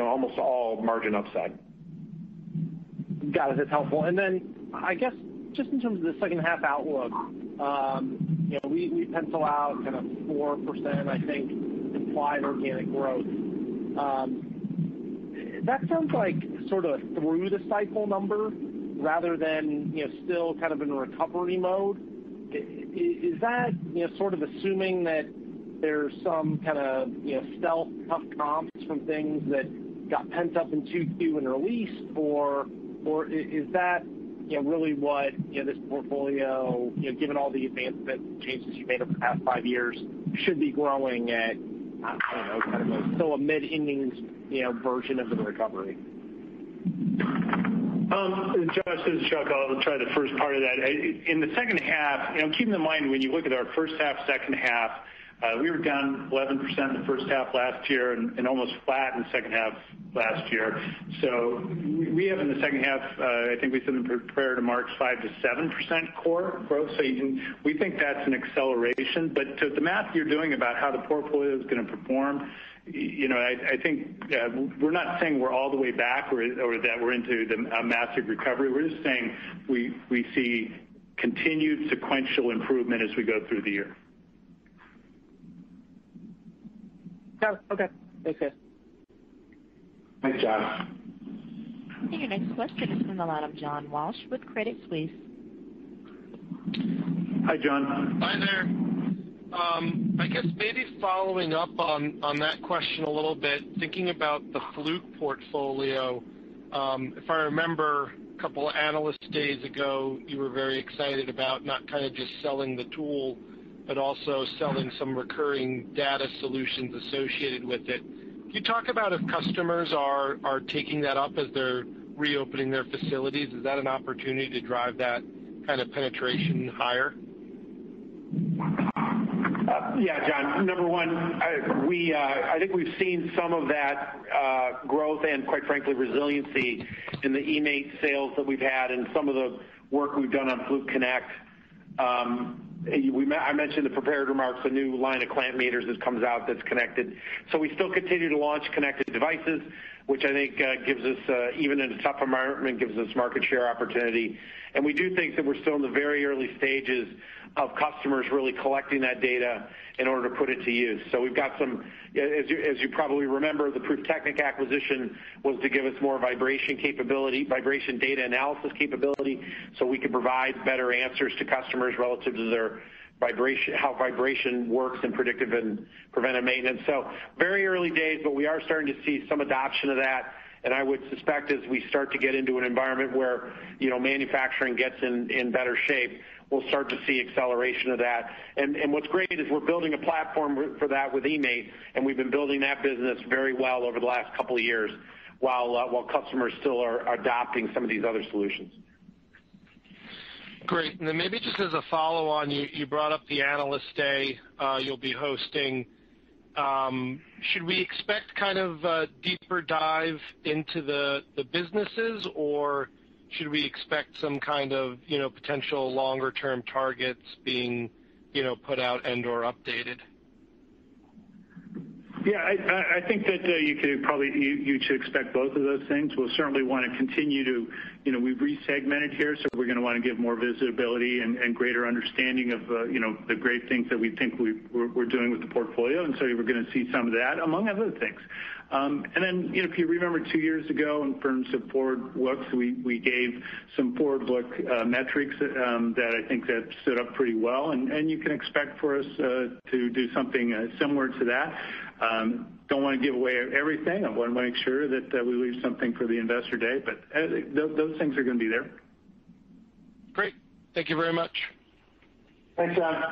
almost all margin upside. Got it. That's helpful. I guess just in terms of the second half outlook we pencil out kind of 4%, I think, implied organic growth. That sounds like a through the cycle number rather than still in recovery mode. Is that assuming that there's some kind of stealth tough comps from things that got pent up in 2Q and released or is that really what this portfolio, given all the advancement changes you've made over the past five years, should be growing at, I don't know, kind of a still a mid-innings version of the recovery? Josh, this is Chuck. I'll try the first part of that. In the second half, keeping in mind, when you look at our first half, second half, we were down 11% in the first half last year and almost flat in the second half last year. We have in the second half, I think we said in prepared remarks 5% to 7% core growth. We think that's an acceleration. To the math you're doing about how the portfolio's going to perform, I think we're not saying we're all the way back or that we're into a massive recovery. We're just saying we see continued sequential improvement as we go through the year. Oh, okay. Thanks. Thanks, Josh. Your next question is from the line of John Walsh with Credit Suisse. Hi, John. Hi there. I guess maybe following up on that question a little bit, thinking about the Fluke portfolio. If I remember, a couple of analyst days ago, you were very excited about not kind of just selling the tool, but also selling some recurring data solutions associated with it. Can you talk about if customers are taking that up as they're reopening their facilities? Is that an opportunity to drive that kind of penetration higher? Yeah, John, number one, I think we've seen some of that growth and quite frankly, resiliency in the eMaint sales that we've had and some of the work we've done on Fluke Connect. I mentioned the prepared remarks, the new line of clamp meters that comes out that's connected. We still continue to launch connected devices, which I think even in a tough environment, gives us market share opportunity and we do think that we're still in the very early stages of customers really collecting that data in order to put it to use. We've got some, as you probably remember, the Pruftechnik acquisition was to give us more vibration data analysis capability so we could provide better answers to customers relative to how vibration works in predictive and preventive maintenance. Very early days, we are starting to see some adoption of that. I would suspect as we start to get into an environment where manufacturing gets in better shape, we'll start to see acceleration of that. What's great is we're building a platform for that with eMaint, and we've been building that business very well over the last couple of years while customers still are adopting some of these other solutions. Great. Maybe just as a follow on, you brought up the Analyst Day you'll be hosting. Should we expect kind of a deeper dive into the businesses, or should we expect some kind of potential longer-term targets being put out and/or updated? Yeah, I think that you should expect both of those things. We'll certainly want to continue. We've re-segmented here, so we're going to want to give more visibility and greater understanding of the great things that we think we're doing with the portfolio and so you're going to see some of that, among other things. If you remember two years ago in terms of forward looks, we gave some forward look metrics that I think that stood up pretty well, and you can expect for us to do something similar to that. Don't want to give away everything. I want to make sure that we leave something for the Investor Day, those things are going to be there. Great. Thank you very much. Thanks, John.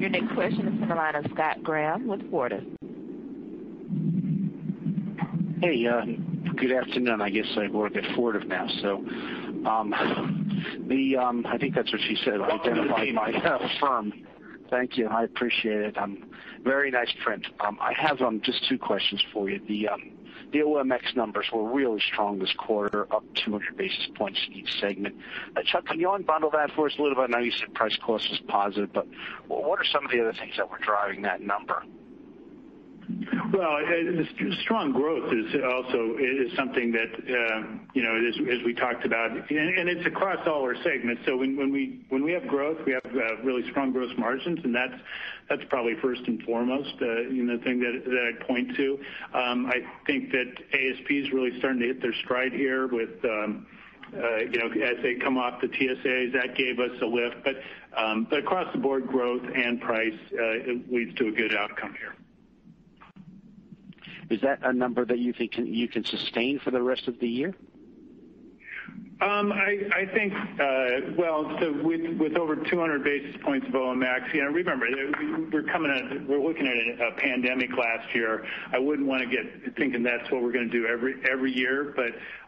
Your next question is from the line of Scott Graham with Fortive. Good afternoon. I guess I work at Fortive now. I think that's what she said. Identify my firm. Thank you. I appreciate it. Very nice print. I have just two questions for you. The OMX numbers were really strong this quarter, up 200 basis points in each segment. Chuck, can you unbundle that for us a little bit? I know you said price cost was positive. What are some of the other things that were driving that number? Well, strong growth also is something that, as we talked about, and it's across all our segments. When we have growth, we have really strong gross margins, and that's probably first and foremost the thing that I'd point to. I think that ASPs really starting to hit their stride here as they come off the TSAs. That gave us a lift. Across the board, growth and price leads to a good outcome here. Is that a number that you think you can sustain for the rest of the year? With over 200 basis points of OMX, remember, we're looking at a pandemic last year. I wouldn't want to get thinking that's what we're going to do every year.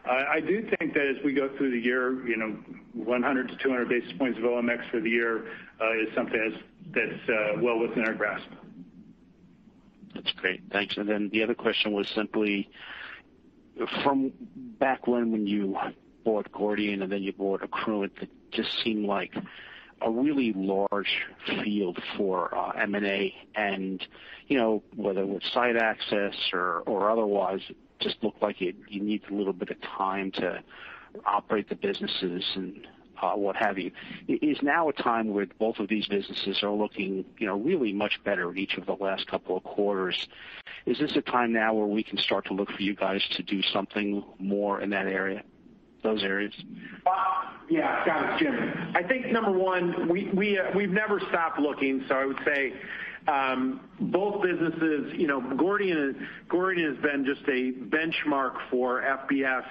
I do think that as we go through the year, 100-200 basis points of OMX for the year is something that's well within our grasp. That's great. Thanks. The other question was simply from back when you bought Gordian and then you bought Accruent, that just seemed like a really large field for M&A, and whether with site access or otherwise, just looked like you needed a little bit of time to operate the businesses and what have you. Is now a time where both of these businesses are looking really much better each of the last couple of quarters? Is this a time now where we can start to look for you guys to do something more in that area? Those areas? Yeah. Scott, it's Jim. I think number one, we've never stopped looking, so I would say both businesses. Gordian has been just a benchmark for FBS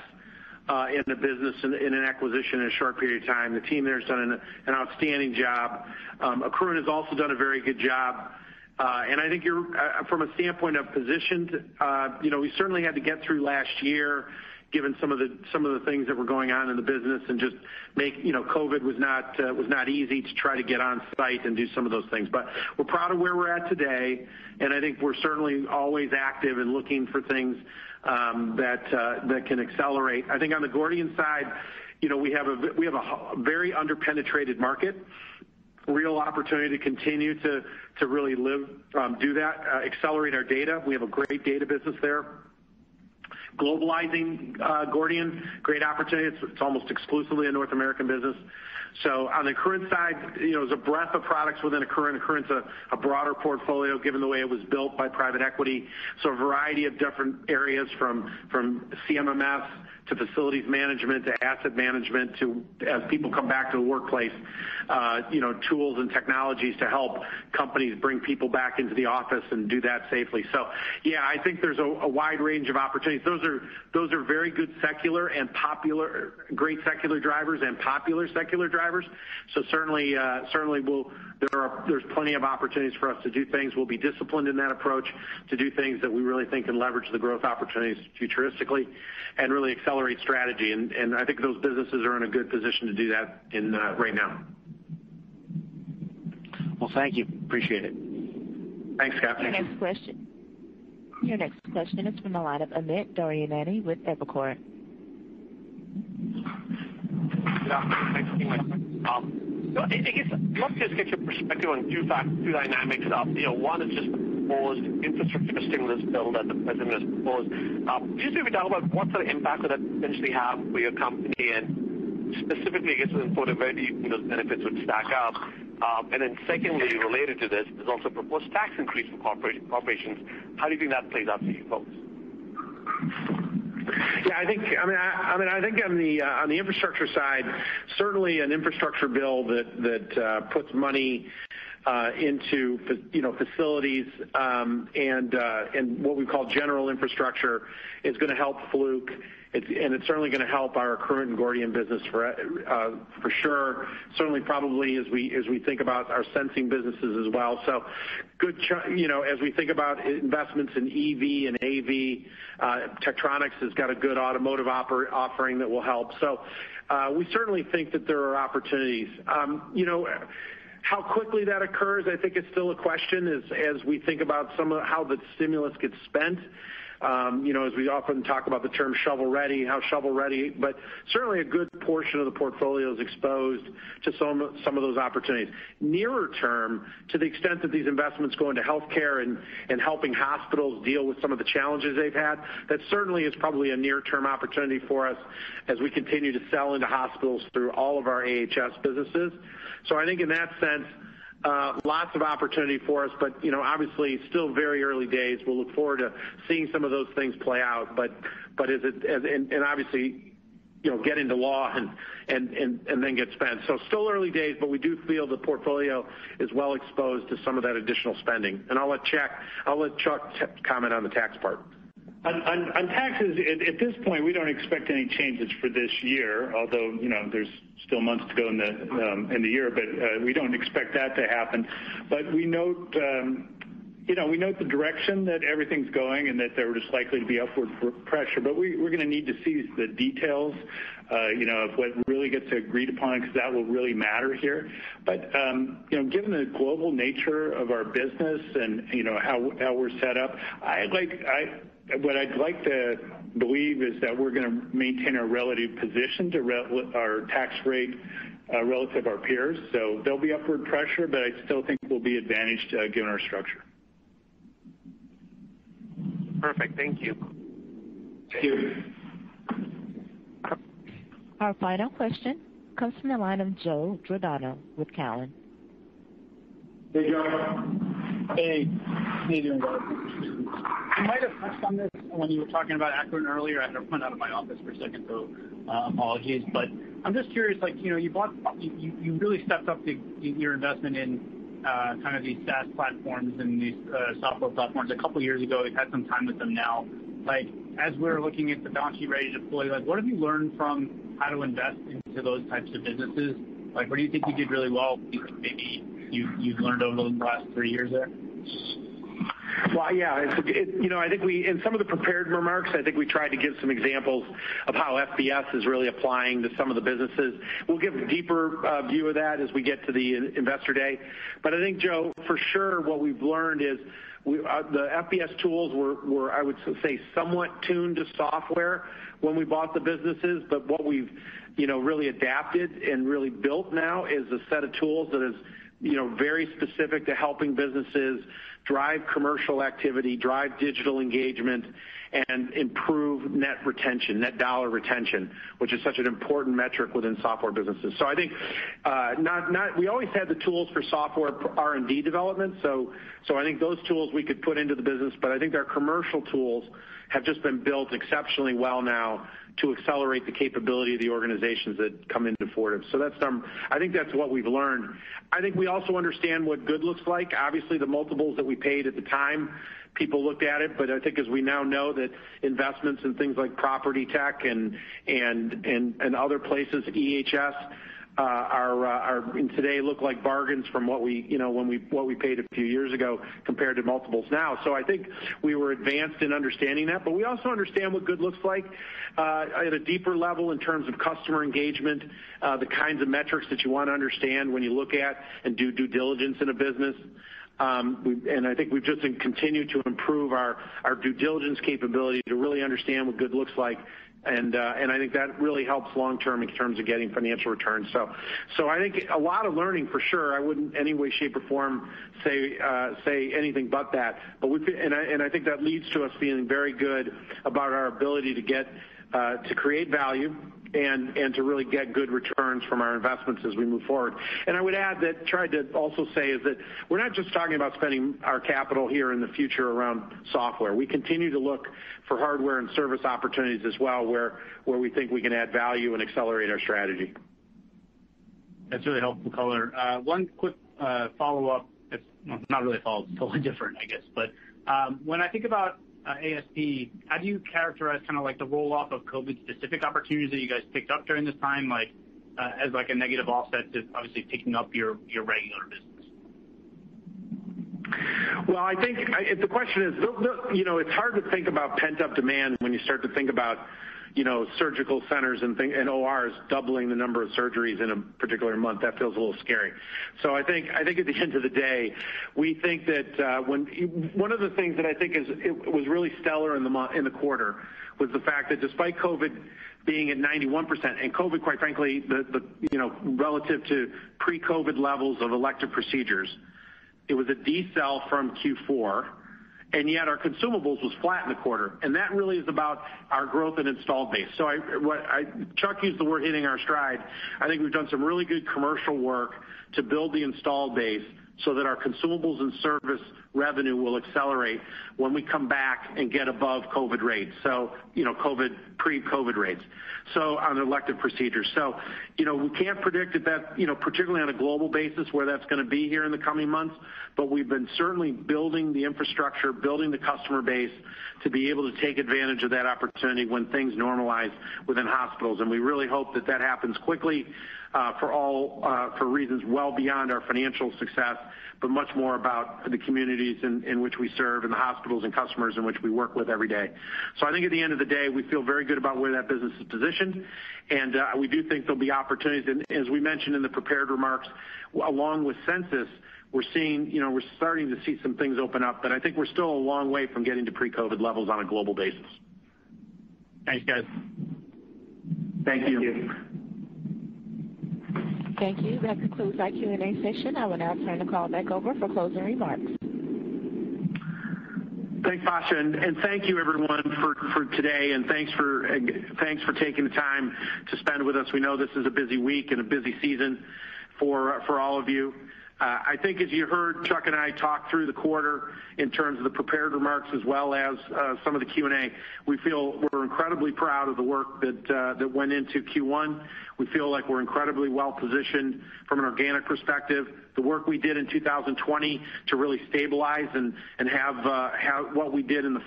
in the business in an acquisition in a short period of time. The team there has done an outstanding job. Accruent has also done a very good job. I think from a standpoint of positions, we certainly had to get through last year, given some of the things that were going on in the business and just make COVID was not easy to try to get on site and do some of those things. We're proud of where we're at today, and I think we're certainly always active in looking for things that can accelerate. I think on the Gordian side, we have a very under-penetrated market, real opportunity to continue to really do that, accelerate our data. We have a great data business there. Globalizing Gordian, great opportunity. It's almost exclusively a North American business. On the Accruent side, there's a breadth of products within Accruent. Accruent's a broader portfolio, given the way it was built by private equity. A variety of different areas, from CMMS to facilities management to asset management to, as people come back to the workplace, tools and technologies to help companies bring people back into the office and do that safely. I think there's a wide range of opportunities. Those are very good secular and great secular drivers and popular secular drivers, so certainly, there's plenty of opportunities for us to do things. We'll be disciplined in that approach to do things that we really think can leverage the growth opportunities futuristically and really accelerate strategy, and I think those businesses are in a good position to do that right now. Well, thank you. Appreciate it. Thanks, Scott. Your next question is from the line of Amit Daryanani with Evercore. Good afternoon. Thanks for taking my question. I guess let me just get your perspective on two dynamics. One is just the proposed infrastructure stimulus bill that the President has proposed. Can you just maybe talk about what sort of impact could that potentially have for your company, and specifically, I guess, sort of where do you think those benefits would stack up? Secondly, related to this, there's also a proposed tax increase for corporations. How do you think that plays out for you folks? I think on the infrastructure side, certainly an infrastructure bill that puts money into facilities and what we call general infrastructure is going to help Fluke, and it's certainly going to help our current Gordian business for sure. Certainly, probably as we think about our sensing businesses as well. As we think about investments in EV and AV, Tektronix has got a good automotive offering that will help. We certainly think that there are opportunities. How quickly that occurs, I think, is still a question as we think about how the stimulus gets spent. As we often talk about the term shovel-ready, how shovel-ready. Certainly, a good portion of the portfolio is exposed to some of those opportunities. Nearer term, to the extent that these investments go into healthcare and helping hospitals deal with some of the challenges they've had, that certainly is probably a near-term opportunity for us as we continue to sell into hospitals through all of our AHS businesses. I think in that sense, lots of opportunity for us, but obviously, still very early days. We'll look forward to seeing some of those things play out, and obviously, get into law and then get spent. Still early days, but we do feel the portfolio is well exposed to some of that additional spending and I'll let Chuck comment on the tax part. On taxes, at this point, we don't expect any changes for this year, although there's still months to go in the year but we don't expect that to happen. We note the direction that everything's going and that there is likely to be upward pressure but we're going to need to see the details of what really gets agreed upon because that will really matter here. Given the global nature of our business and how we're set up, what I'd like to believe is that we're going to maintain our relative position, our tax rate relative our peers so there'll be upward pressure, but I still think we'll be advantaged given our structure. Perfect. Thank you. Thank you. Our final question comes from the line of Joe Giordano with Cowen. Hey, Joe. Hey. How you doing, guys? You might have touched on this when you were talking about Accruent earlier. I had to run out of my office for a second, apologies. I'm just curious, you really stepped up your investment in kind of these SaaS platforms and these software platforms a couple of years ago. You've had some time with them now. As we're looking at the balance sheet ready to deploy, what have you learned from how to invest into those types of businesses? What do you think you did really well, maybe you've learned over the last three years there? Yeah. In some of the prepared remarks, I think we tried to give some examples of how FBS is really applying to some of the businesses. We'll give a deeper view of that as we get to the Investor Day. I think, Joe, for sure, what we've learned is the FBS tools were, I would say, somewhat tuned to software when we bought the businesses. What we've really adapted and really built now is a set of tools that is very specific to helping businesses drive commercial activity, drive digital engagement, and improve net retention, net dollar retention, which is such an important metric within software businesses. I think we always had the tools for software R&D development, so I think those tools we could put into the business, but I think our commercial tools have just been built exceptionally well now to accelerate the capability of the organizations that come into Fortive. I think that's what we've learned. I think we also understand what good looks like. Obviously, the multiples that we paid at the time, people looked at it. I think as we now know that investments in things like property tech and other places, EHS, today look like bargains from what we paid a few years ago compared to multiples now. I think we were advanced in understanding that, but we also understand what good looks like at a deeper level in terms of customer engagement, the kinds of metrics that you want to understand when you look at and do due diligence in a business. I think we've just continued to improve our due diligence capability to really understand what good looks like, and I think that really helps long term in terms of getting financial returns. I think a lot of learning for sure. I wouldn't in any way, shape, or form say anything but that. I think that leads to us feeling very good about our ability to create value and to really get good returns from our investments as we move forward. I would add that, try to also say is that we're not just talking about spending our capital here in the future around software. We continue to look for hardware and service opportunities as well where we think we can add value and accelerate our strategy. That's really helpful color. One quick follow-up. It's not really a follow-up. It's totally different, I guess. When I think about ASP, how do you characterize the roll-off of COVID-specific opportunities that you guys picked up during this time as a negative offset to obviously picking up your regular business? Well, I think if the question is. It's hard to think about pent-up demand when you start to think about surgical centers and ORs doubling the number of surgeries in a particular month. That feels a little scary. I think at the end of the day, one of the things that I think was really stellar in the quarter was the fact that despite COVID being at 91%, and COVID, quite frankly, relative to pre-COVID levels of elective procedures, it was a decel from Q4, and yet our consumables was flat in the quarter, and that really is about our growth and installed base. Chuck used the word hitting our stride. I think we've done some really good commercial work to build the installed base so that our consumables and service revenue will accelerate when we come back and get above COVID rates, pre-COVID rates on elective procedures. We can't predict particularly on a global basis where that's going to be here in the coming months, but we've been certainly building the infrastructure, building the customer base to be able to take advantage of that opportunity when things normalize within hospitals. We really hope that that happens quickly for reasons well beyond our financial success, but much more about the communities in which we serve and the hospitals and customers in which we work with every day. I think at the end of the day, we feel very good about where that business is positioned, and we do think there'll be opportunities, as we mentioned in the prepared remarks, along with Censis, we're starting to see some things open up, but I think we're still a long way from getting to pre-COVID levels on a global basis. Thanks, guys. Thanks, Jim. Thank you. Thank you. That concludes our Q&A session. I will now turn the call back over for closing remarks. Thanks, Pasha, thank you everyone for today, and thanks for taking the time to spend with us. We know this is a busy week and a busy season for all of you. I think as you heard Chuck and I talk through the quarter in terms of the prepared remarks as well as some of the Q&A, we feel we're incredibly proud of the work that went into Q1. We feel like we're incredibly well-positioned from an organic perspective. The work we did in 2020 to really stabilize and have what we did in the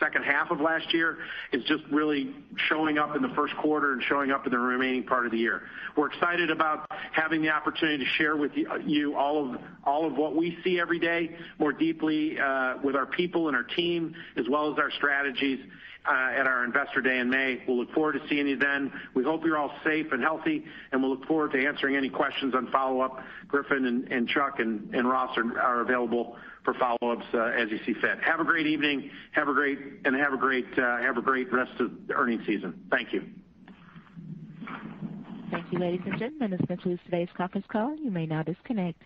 second half of last year is just really showing up in the first quarter and showing up in the remaining part of the year. We're excited about having the opportunity to share with you all of what we see every day more deeply with our people and our team, as well as our strategies at our Investor Day in May. We'll look forward to seeing you then. We hope you're all safe and healthy, and we'll look forward to answering any questions on follow-up. Griffin and Chuck and Ross are available for follow-ups as you see fit. Have a great evening, and have a great rest of the earnings season. Thank you. Thank you, ladies and gentlemen. This concludes today's conference call. You may now disconnect.